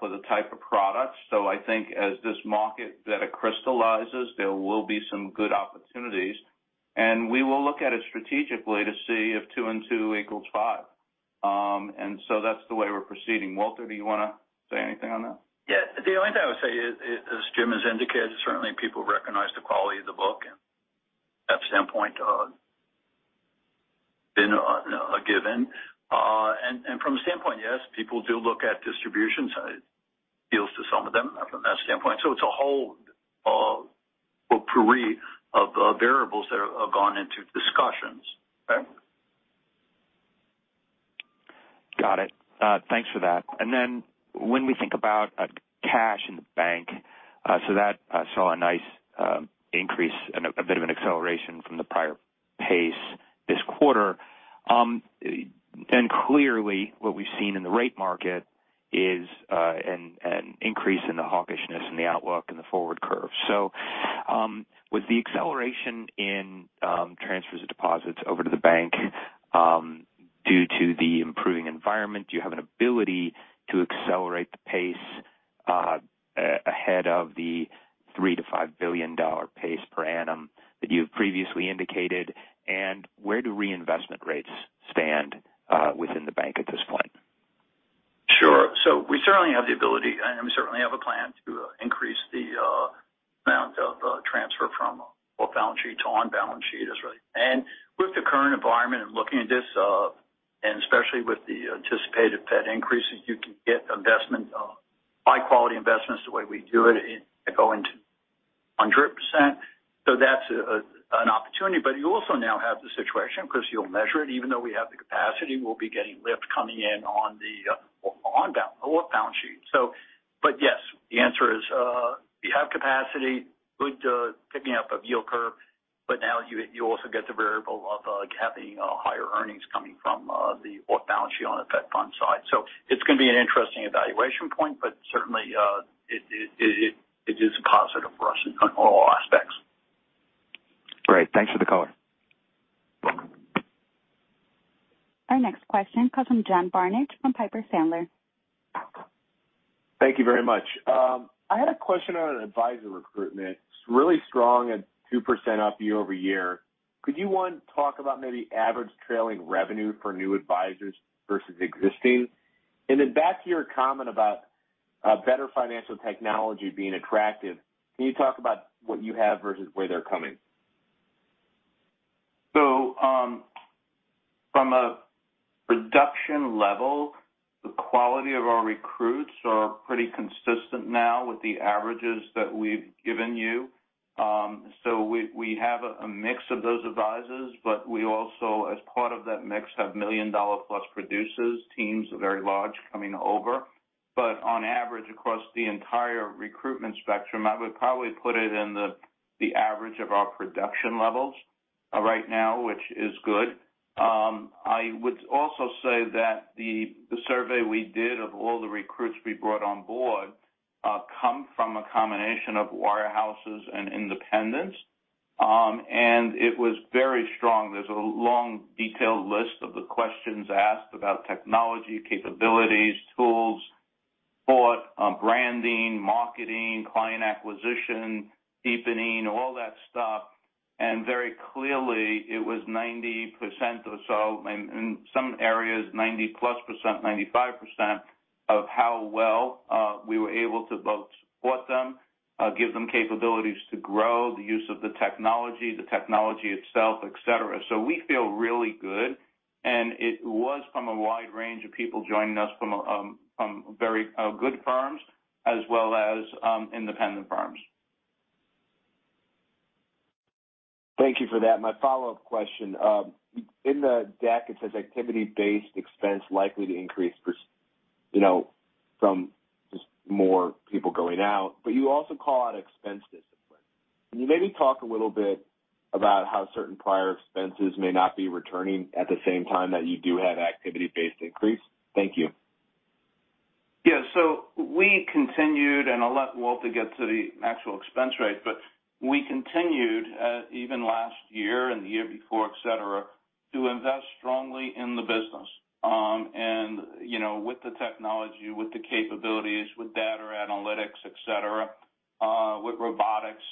for the type of products. I think as this market data crystallizes, there will be some good opportunities. We will look at it strategically to see if two and two equals five. That's the way we're proceeding. Walter, do you want to say anything on that? Yeah. The only thing I would say is, as Jim has indicated, certainly people recognize the quality of the book and from that standpoint, it's been a given. And from a standpoint, yes, people do look at distribution side deals to some of them from that standpoint. It's a whole potpourri of variables that have gone into discussions. Got it. Thanks for that. Then when we think about cash in the bank, that saw a nice increase and a bit of an acceleration from the prior pace this quarter. Clearly what we've seen in the rate market is an increase in the hawkishness and the outlook and the forward curve. With the acceleration in transfers of deposits over to the bank due to the improving environment, do you have an ability to accelerate the pace ahead of the $3 billion-$5 billion pace per annum that you've previously indicated? Where do reinvestment rates stand within the bank at this point? Sure. We certainly have the ability, and we certainly have a plan to increase the amount of transfer from off-balance sheet to on-balance sheet, really. With the current environment and looking at this, and especially with the anticipated Fed increases, you can get high quality investments the way we do it and go into 100%. That's an opportunity. You also now have the situation because you'll measure it. Even though we have the capacity, we'll be getting lift coming in on the off-balance sheet. Yes, the answer is, we have capacity with picking up a yield curve, but now you also get the variable of having higher earnings coming from the off-balance sheet on the Fed funds side. It's going to be an interesting evaluation point, but certainly, it is positive for us in all aspects. Great. Thanks for the color. Our next question comes from John Barnidge from Piper Sandler. Thank you very much. I had a question on an advisor recruitment. It's really strong at 2% up year-over-year. Could you, one, talk about maybe average trailing revenue for new advisors versus existing? Then back to your comment about better financial technology being attractive, can you talk about what you have versus where they're coming? From a production level, the quality of our recruits are pretty consistent now with the averages that we've given you. We have a mix of those advisors, but we also as part of that mix have million-dollar-plus producers. Teams are very large coming over. On average, across the entire recruitment spectrum, I would probably put it in the average of our production levels right now, which is good. I would also say that the survey we did of all the recruits we brought on board come from a combination of wirehouses and independents. It was very strong. There's a long detailed list of the questions asked about technology, capabilities, tools, thought on branding, marketing, client acquisition, deepening, all that stuff. Very clearly it was 90% or so, in some areas, 90+%, 95% of how well we were able to both support them, give them capabilities to grow, the use of the technology, the technology itself, et cetera. We feel really good. It was from a wide range of people joining us from very good firms as well as independent firms. Thank you for that. My follow-up question. In the deck it says activity-based expense likely to increase for, you know, from just more people going out, but you also call out expense discipline. Can you maybe talk a little bit about how certain prior expenses may not be returning at the same time that you do have activity-based increase? Thank you. Yeah. We continued, and I'll let Walter get to the actual expense rate, but we continued even last year and the year before, et cetera, to invest strongly in the business. You know, with the technology, with the capabilities, with data analytics, et cetera, with robotics,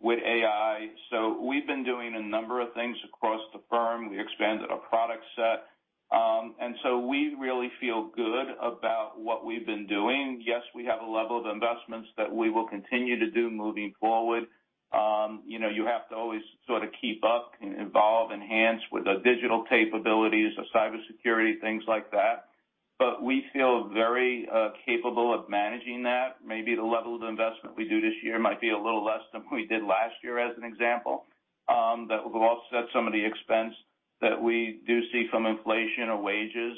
with AI. We've been doing a number of things across the firm. We expanded our product set. We really feel good about what we've been doing. Yes, we have a level of investments that we will continue to do moving forward. You know, you have to always sort of keep up and evolve, enhance with the digital capabilities of cybersecurity, things like that. We feel very capable of managing that. Maybe the level of investment we do this year might be a little less than we did last year, as an example, that will offset some of the expense that we do see from inflation or wages.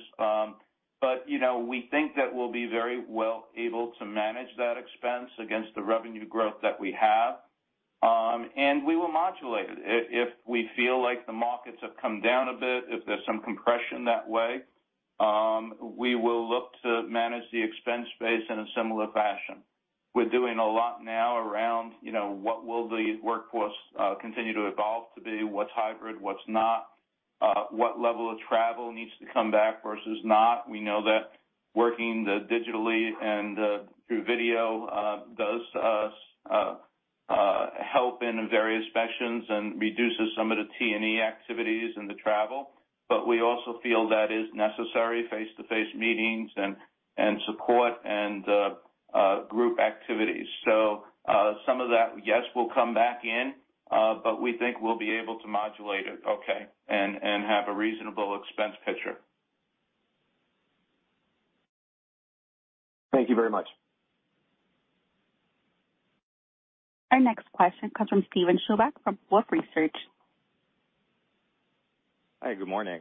You know, we think that we'll be very well able to manage that expense against the revenue growth that we have. We will modulate it. If we feel like the markets have come down a bit, if there's some compression that way, we will look to manage the expense base in a similar fashion. We're doing a lot now around, you know, what will the workforce continue to evolve to be? What's hybrid, what's not? What level of travel needs to come back versus not. We know that working digitally and through video does help in various fashions and reduces some of the T&E activities and the travel. We also feel that is necessary face-to-face meetings and support and group activities. Some of that, yes, will come back in, but we think we'll be able to modulate it okay, and have a reasonable expense picture. Thank you very much. Our next question comes from Steven Chubak from Wolfe Research. Hi, good morning.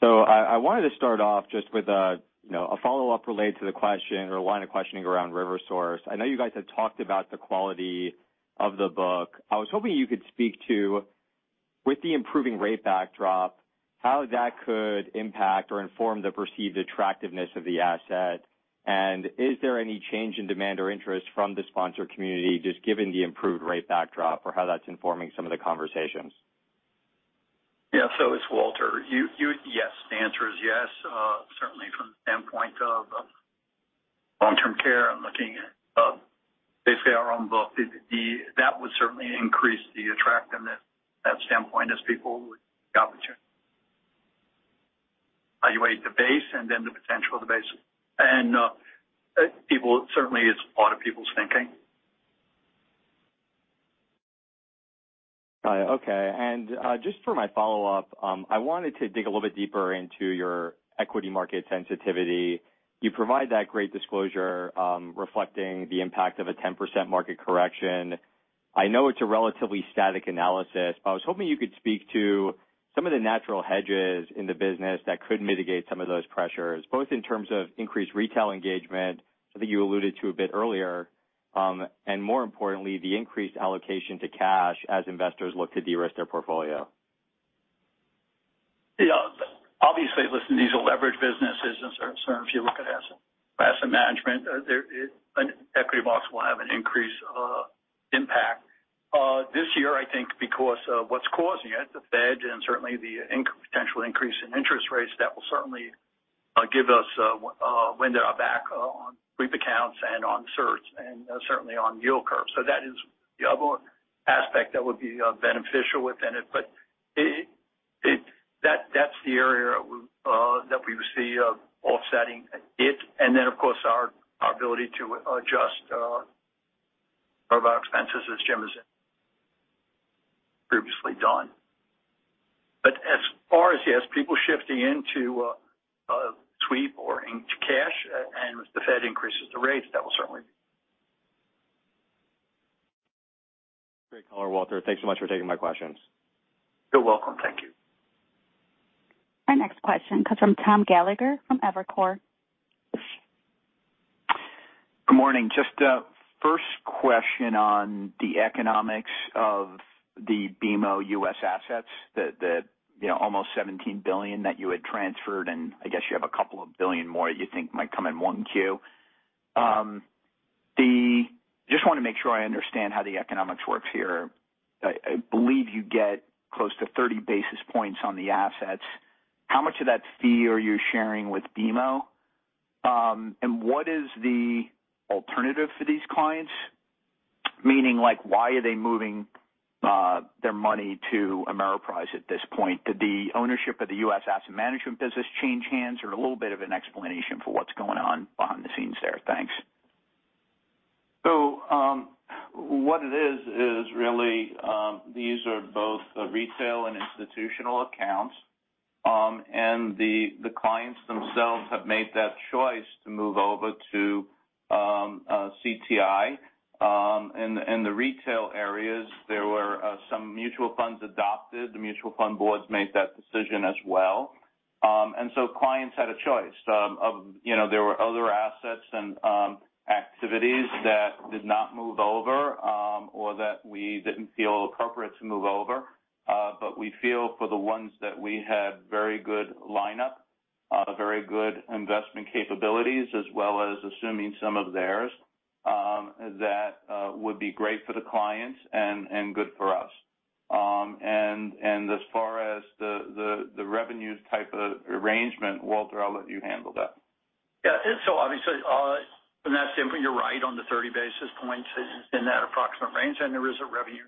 I wanted to start off just with a, you know, a follow-up related to the question or line of questioning around RiverSource. I know you guys have talked about the quality of the book. I was hoping you could speak to, with the improving rate backdrop, how that could impact or inform the perceived attractiveness of the asset, and is there any change in demand or interest from the sponsor community just given the improved rate backdrop, or how that's informing some of the conversations? Yeah, it's Walter. Yes, the answer is yes. Certainly from the standpoint of long-term care and looking at basically our own book. That would certainly increase the attractiveness at that standpoint as people would have the opportunity to evaluate the base and then the potential of the base. Certainly it's a lot of people's thinking. Okay. Just for my follow-up, I wanted to dig a little bit deeper into your equity market sensitivity. You provide that great disclosure, reflecting the impact of a 10% market correction. I know it's a relatively static analysis, but I was hoping you could speak to some of the natural hedges in the business that could mitigate some of those pressures, both in terms of increased retail engagement, something you alluded to a bit earlier, and more importantly, the increased allocation to cash as investors look to de-risk their portfolio. Yeah. Obviously, listen, these are leveraged businesses. If you look at asset management, there is an equity box will have an increased impact. This year, I think because of what's causing it, the Fed and certainly the potential increase in interest rates, that will certainly give us a wind at our back on sweep accounts and on certs and certainly on yield curves. That is the other aspect that would be beneficial within it. That's the area that we see offsetting it. Of course, our ability to adjust some of our expenses as Jim has previously done. As far as, yes, people shifting into sweep or into cash and the Fed increases the rates, that will certainly be. Great call, Walter. Thanks so much for taking my questions. You're welcome. Thank you. Our next question comes from Tom Gallagher from Evercore. Good morning. Just a first question on the economics of the BMO U.S. assets, you know, almost $17 billion that you had transferred, and I guess you have $2 billion more you think might come in 1Q. Just wanna make sure I understand how the economics works here. I believe you get close to 30 basis points on the assets. How much of that fee are you sharing with BMO? And what is the alternative for these clients? Meaning like, why are they moving their money to Ameriprise at this point? Did the ownership of the U.S. asset management business change hands or a little bit of an explanation for what's going on behind the scenes there? Thanks. What it is is really these are both retail and institutional accounts. The clients themselves have made that choice to move over to CTI. In the retail areas, there were some mutual funds adopted. The mutual fund boards made that decision as well. Clients had a choice. You know, there were other assets and activities that did not move over or that we didn't feel appropriate to move over. We feel for the ones that we had very good lineup, very good investment capabilities, as well as assuming some of theirs, that would be great for the clients and good for us. As far as the revenue type of arrangement, Walter, I'll let you handle that. Yeah. Obviously, from that standpoint, you're right on the 30 basis points in that approximate range, and there is a revenue.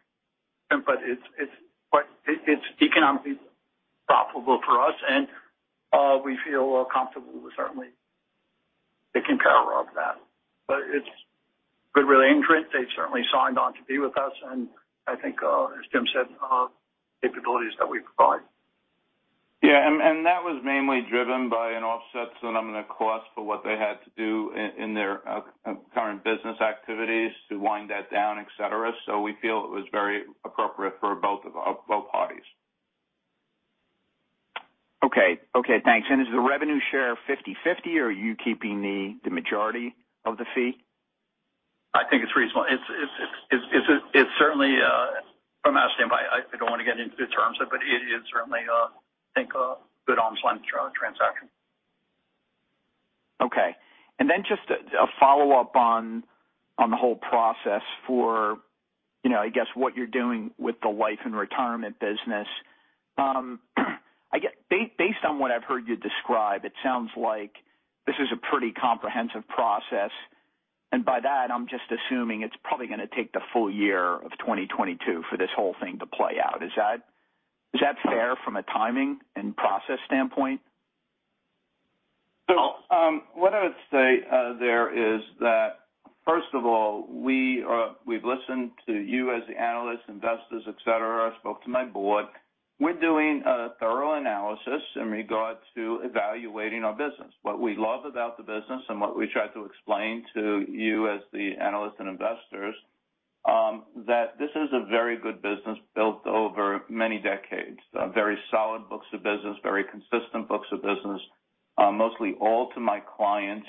But it's economically profitable for us and we feel comfortable with certainly taking care of that. But it's been really interesting. They certainly signed on to be with us. I think, as Jim said, capabilities that we provide. That was mainly driven by an offset to nominal cost for what they had to do in their current business activities to wind that down, et cetera. We feel it was very appropriate for both of us, both parties. Okay. Okay, thanks. Is the revenue share 50/50, or are you keeping the majority of the fee? I think it's reasonable. It's certainly from our standpoint. I don't want to get into the terms, but it is certainly, I think, a good arm's-length transaction. Okay. Just a follow-up on the whole process for, you know, I guess, what you're doing with the life and retirement business. Based on what I've heard you describe, it sounds like this is a pretty comprehensive process. By that, I'm just assuming it's probably going to take the full year of 2022 for this whole thing to play out. Is that fair from a timing and process standpoint? First of all, we've listened to you as the analysts, investors, et cetera. I spoke to my board. We're doing a thorough analysis in regard to evaluating our business. What we love about the business and what we try to explain to you as the analysts and investors, that this is a very good business built over many decades, very solid books of business, very consistent books of business, mostly all to my clients,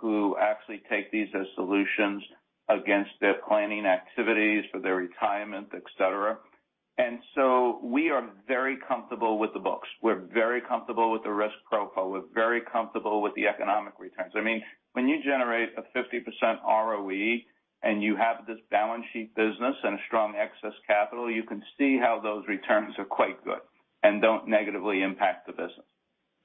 who actually take these as solutions against their planning activities for their retirement, et cetera. We are very comfortable with the books. We're very comfortable with the risk profile. We're very comfortable with the economic returns. I mean, when you generate a 50% ROE and you have this balance sheet business and a strong excess capital, you can see how those returns are quite good and don't negatively impact the business.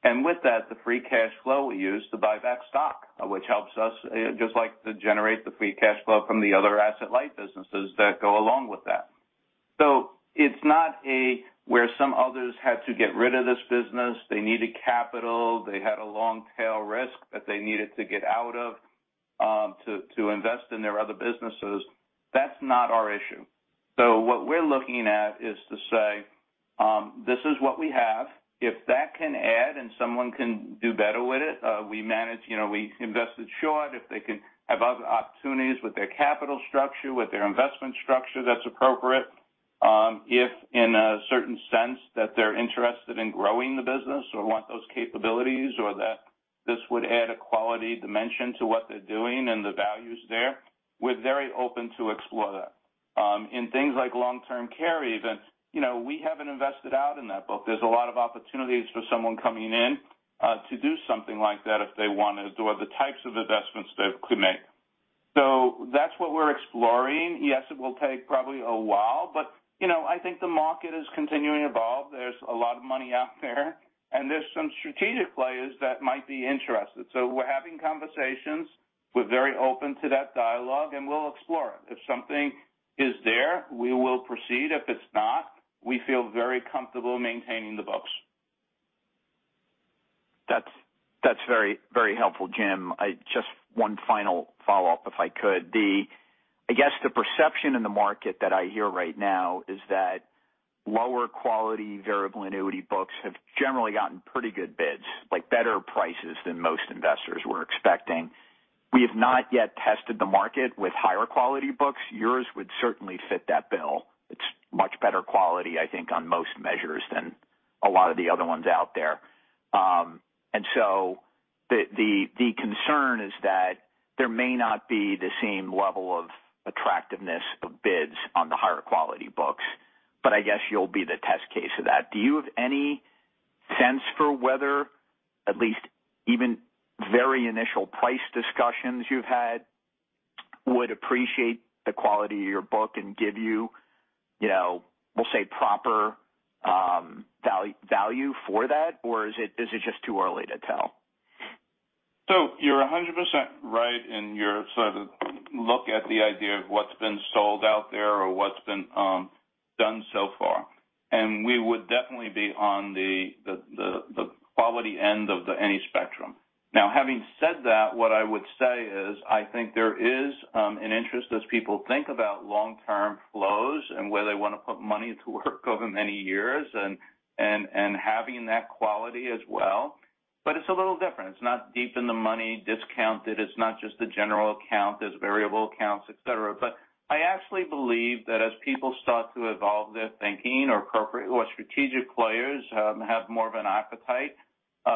With that, the free cash flow we use to buy back stock, which helps us just like to generate the free cash flow from the other asset light businesses that go along with that. It's not a where some others had to get rid of this business. They needed capital. They had a long tail risk that they needed to get out of, to invest in their other businesses. That's not our issue. What we're looking at is to say, this is what we have. If that can add and someone can do better with it, we manage, you know, we invested short. If they can have other opportunities with their capital structure, with their investment structure, that's appropriate. If in a certain sense that they're interested in growing the business or want those capabilities or that this would add a quality dimension to what they're doing and the values there, we're very open to explore that. In things like long-term care even, you know, we haven't invested out in that book. There's a lot of opportunities for someone coming in to do something like that if they want to, or the types of investments they could make. So that's what we're exploring. Yes, it will take probably a while, but, you know, I think the market is continuing to evolve. There's a lot of money out there, and there's some strategic players that might be interested. So we're having conversations. We're very open to that dialogue, and we'll explore it. If something is there, we will proceed. If it's not, we feel very comfortable maintaining the books. That's very helpful, Jim. Just one final follow-up, if I could. I guess the perception in the market that I hear right now is that lower quality variable annuity books have generally gotten pretty good bids, like better prices than most investors were expecting. We have not yet tested the market with higher quality books. Yours would certainly fit that bill. It's much better quality, I think, on most measures than a lot of the other ones out there. And so the concern is that there may not be the same level of attractiveness of bids on the higher quality books, but I guess you'll be the test case of that. Do you have any sense for whether at least even very initial price discussions you've had would appreciate the quality of your book and give you know, we'll say, proper value for that? Or is it just too early to tell? You're 100% right in your sort of look at the idea of what's been sold out there or what's been done so far. We would definitely be on the quality end of the annuity spectrum. Now, having said that, what I would say is, I think there is an interest as people think about long-term flows and where they want to put money to work over many years and having that quality as well. It's a little different. It's not deep in the money discounted. It's not just the general account, there's variable accounts, et cetera. I actually believe that as people start to evolve their thinking or corporate or strategic players have more of an appetite,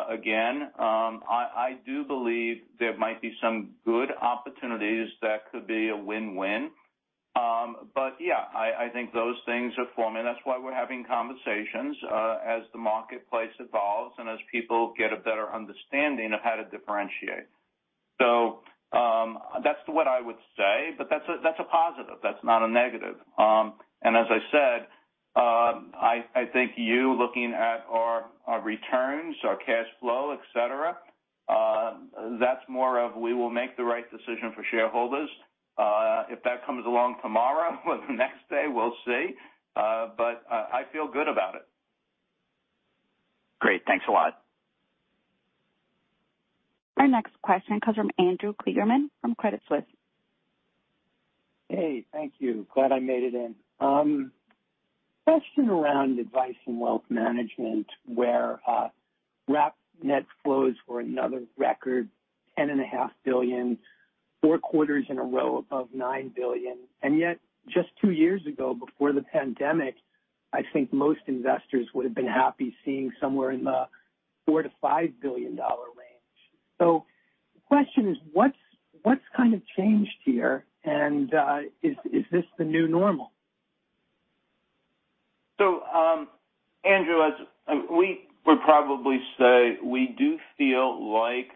again, I do believe there might be some good opportunities that could be a win-win. Yeah, I think those things are forming. That's why we're having conversations as the marketplace evolves and as people get a better understanding of how to differentiate. That's what I would say, but that's a positive, that's not a negative. As I said, I think you're looking at our returns, our cash flow, et cetera, that's more of we will make the right decision for shareholders. If that comes along tomorrow or the next day, we'll see. I feel good about it. Great. Thanks a lot. Our next question comes from Andrew Kligerman from Credit Suisse. Hey, thank you. Glad I made it in. Question around advice and wealth management where wrap net flows were another record $10.5 billion, four quarters in a row above $9 billion, and yet just two years ago, before the pandemic, I think most investors would have been happy seeing somewhere in the $4-$5 billion range. The question is, what's kind of changed here? Is this the new normal? Andrew, as we would probably say, we do feel like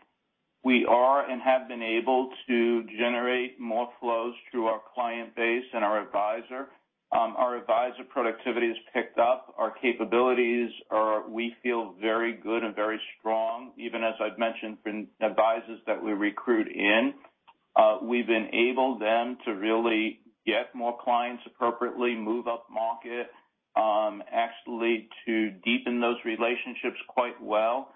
we are and have been able to generate more flows through our client base and our advisor. Our advisor productivity has picked up. Our capabilities are we feel very good and very strong. Even as I've mentioned, for advisors that we recruit in, we've enabled them to really get more clients appropriately, move up market, actually to deepen those relationships quite well,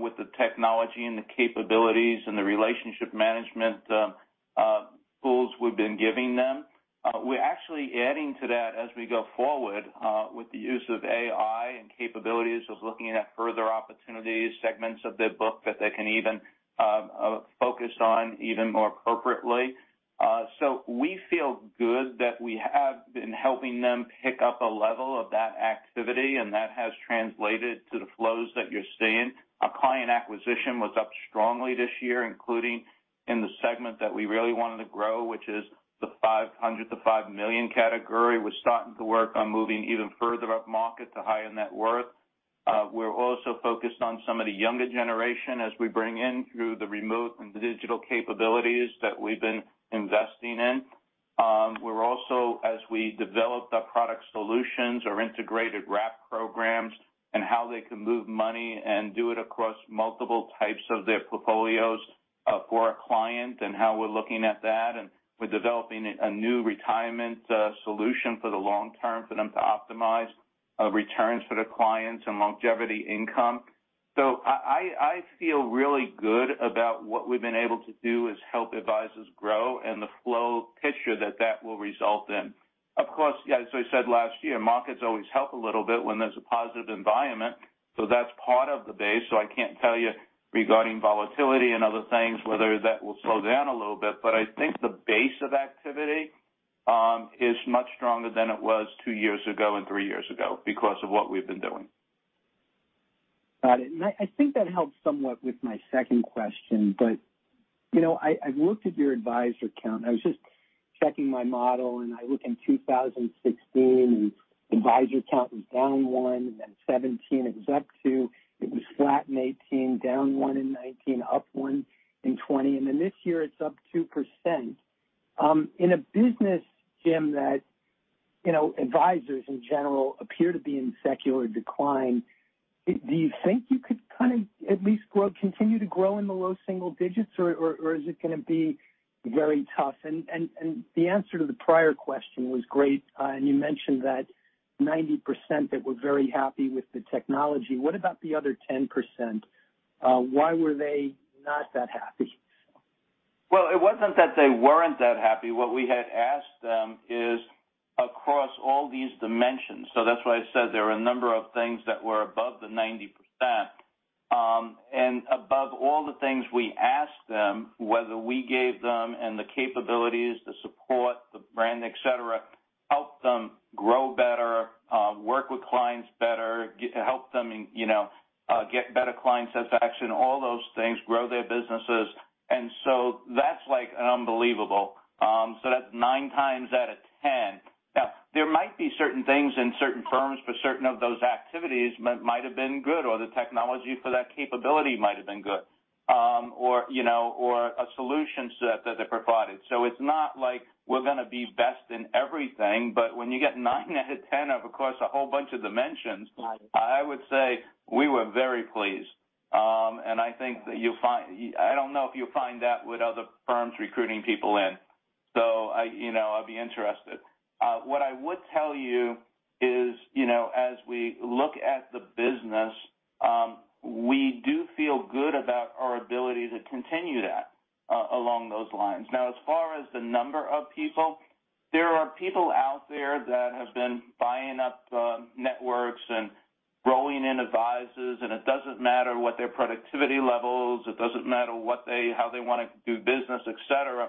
with the technology and the capabilities and the relationship management, tools we've been giving them. We're actually adding to that as we go forward, with the use of AI and capabilities of looking at further opportunities, segments of their book that they can even focus on even more appropriately. We feel good that we have been helping them pick up a level of that activity, and that has translated to the flows that you're seeing. Our client acquisition was up strongly this year, including in the segment that we really wanted to grow, which is the $500,000-$5 million category. We're starting to work on moving even further upmarket to higher net worth. We're also focused on some of the younger generation as we bring in through the remote and digital capabilities that we've been investing in. We're also, as we develop the product solutions or integrated wrap programs and how they can move money and do it across multiple types of their portfolios, for a client and how we're looking at that. We're developing a new retirement solution for the long term for them to optimize returns for the clients and longevity income. I feel really good about what we've been able to do is help advisors grow and the flow picture that will result in. Of course, as I said last year, markets always help a little bit when there's a positive environment, so that's part of the base. I can't tell you regarding volatility and other things whether that will slow down a little bit, but I think the base of activity is much stronger than it was two years ago and three years ago because of what we've been doing. Got it. I think that helps somewhat with my second question. You know, I looked at your advisor count. I was just checking my model, and I looked in 2016, and advisor count was down one, and then 2017 it was up two, it was flat in 2018, down one in 2019, up one in 2020, and then this year it's up 2%. In a business, Jim, that you know, advisors in general appear to be in secular decline, do you think you could kind of at least grow, continue to grow in the low single digits or is it gonna be very tough? The answer to the prior question was great, and you mentioned that 90% that were very happy with the technology. What about the other 10%? Why were they not that happy? Well, it wasn't that they weren't that happy. What we had asked them is across all these dimensions. That's why I said there were a number of things that were above the 90%. And above all the things we asked them, whether we gave them and the capabilities, the support, the brand, et cetera, help them grow better, work with clients better, help them, you know, get better client satisfaction, all those things, grow their businesses. That's like an unbelievable. That's nine times out of ten. Now, there might be certain things in certain firms for certain of those activities might have been good or the technology for that capability might have been good. Or, you know, or a solution set that they provided. It's not like we're gonna be best in everything, but when you get nine out of ten across a whole bunch of dimensions. Got it. I would say we were very pleased. I think that you'll find, I don't know if you'll find that with other firms recruiting people in. I, you know, I'll be interested. What I would tell you is, you know, as we look at the business, we do feel good about our ability to continue that, along those lines. Now, as far as the number of people, there are people out there that have been buying up networks and rolling in advisors, and it doesn't matter what their productivity levels, it doesn't matter how they wanna do business, et cetera.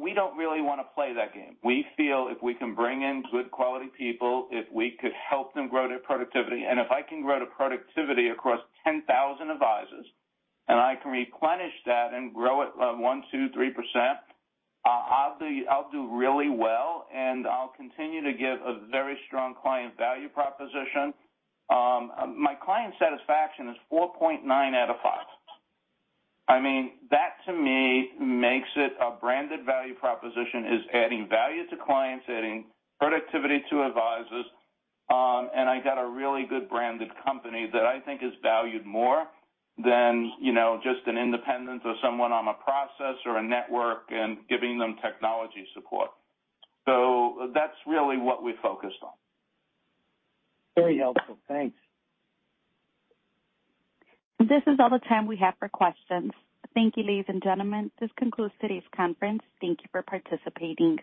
We don't really wanna play that game. We feel if we can bring in good quality people, if we could help them grow their productivity, and if I can grow the productivity across 10,000 advisors, and I can replenish that and grow it 1%-3%, I'll do really well, and I'll continue to give a very strong client value proposition. My client satisfaction is 4.9 out of 5. I mean, that to me makes it a branded value proposition is adding value to clients, adding productivity to advisors, and I got a really good branded company that I think is valued more than you know, just an independent or someone on a process or a network and giving them technology support. That's really what we focused on. Very helpful. Thanks. This is all the time we have for questions. Thank you, ladies and gentlemen. This concludes today's conference. Thank you for participating.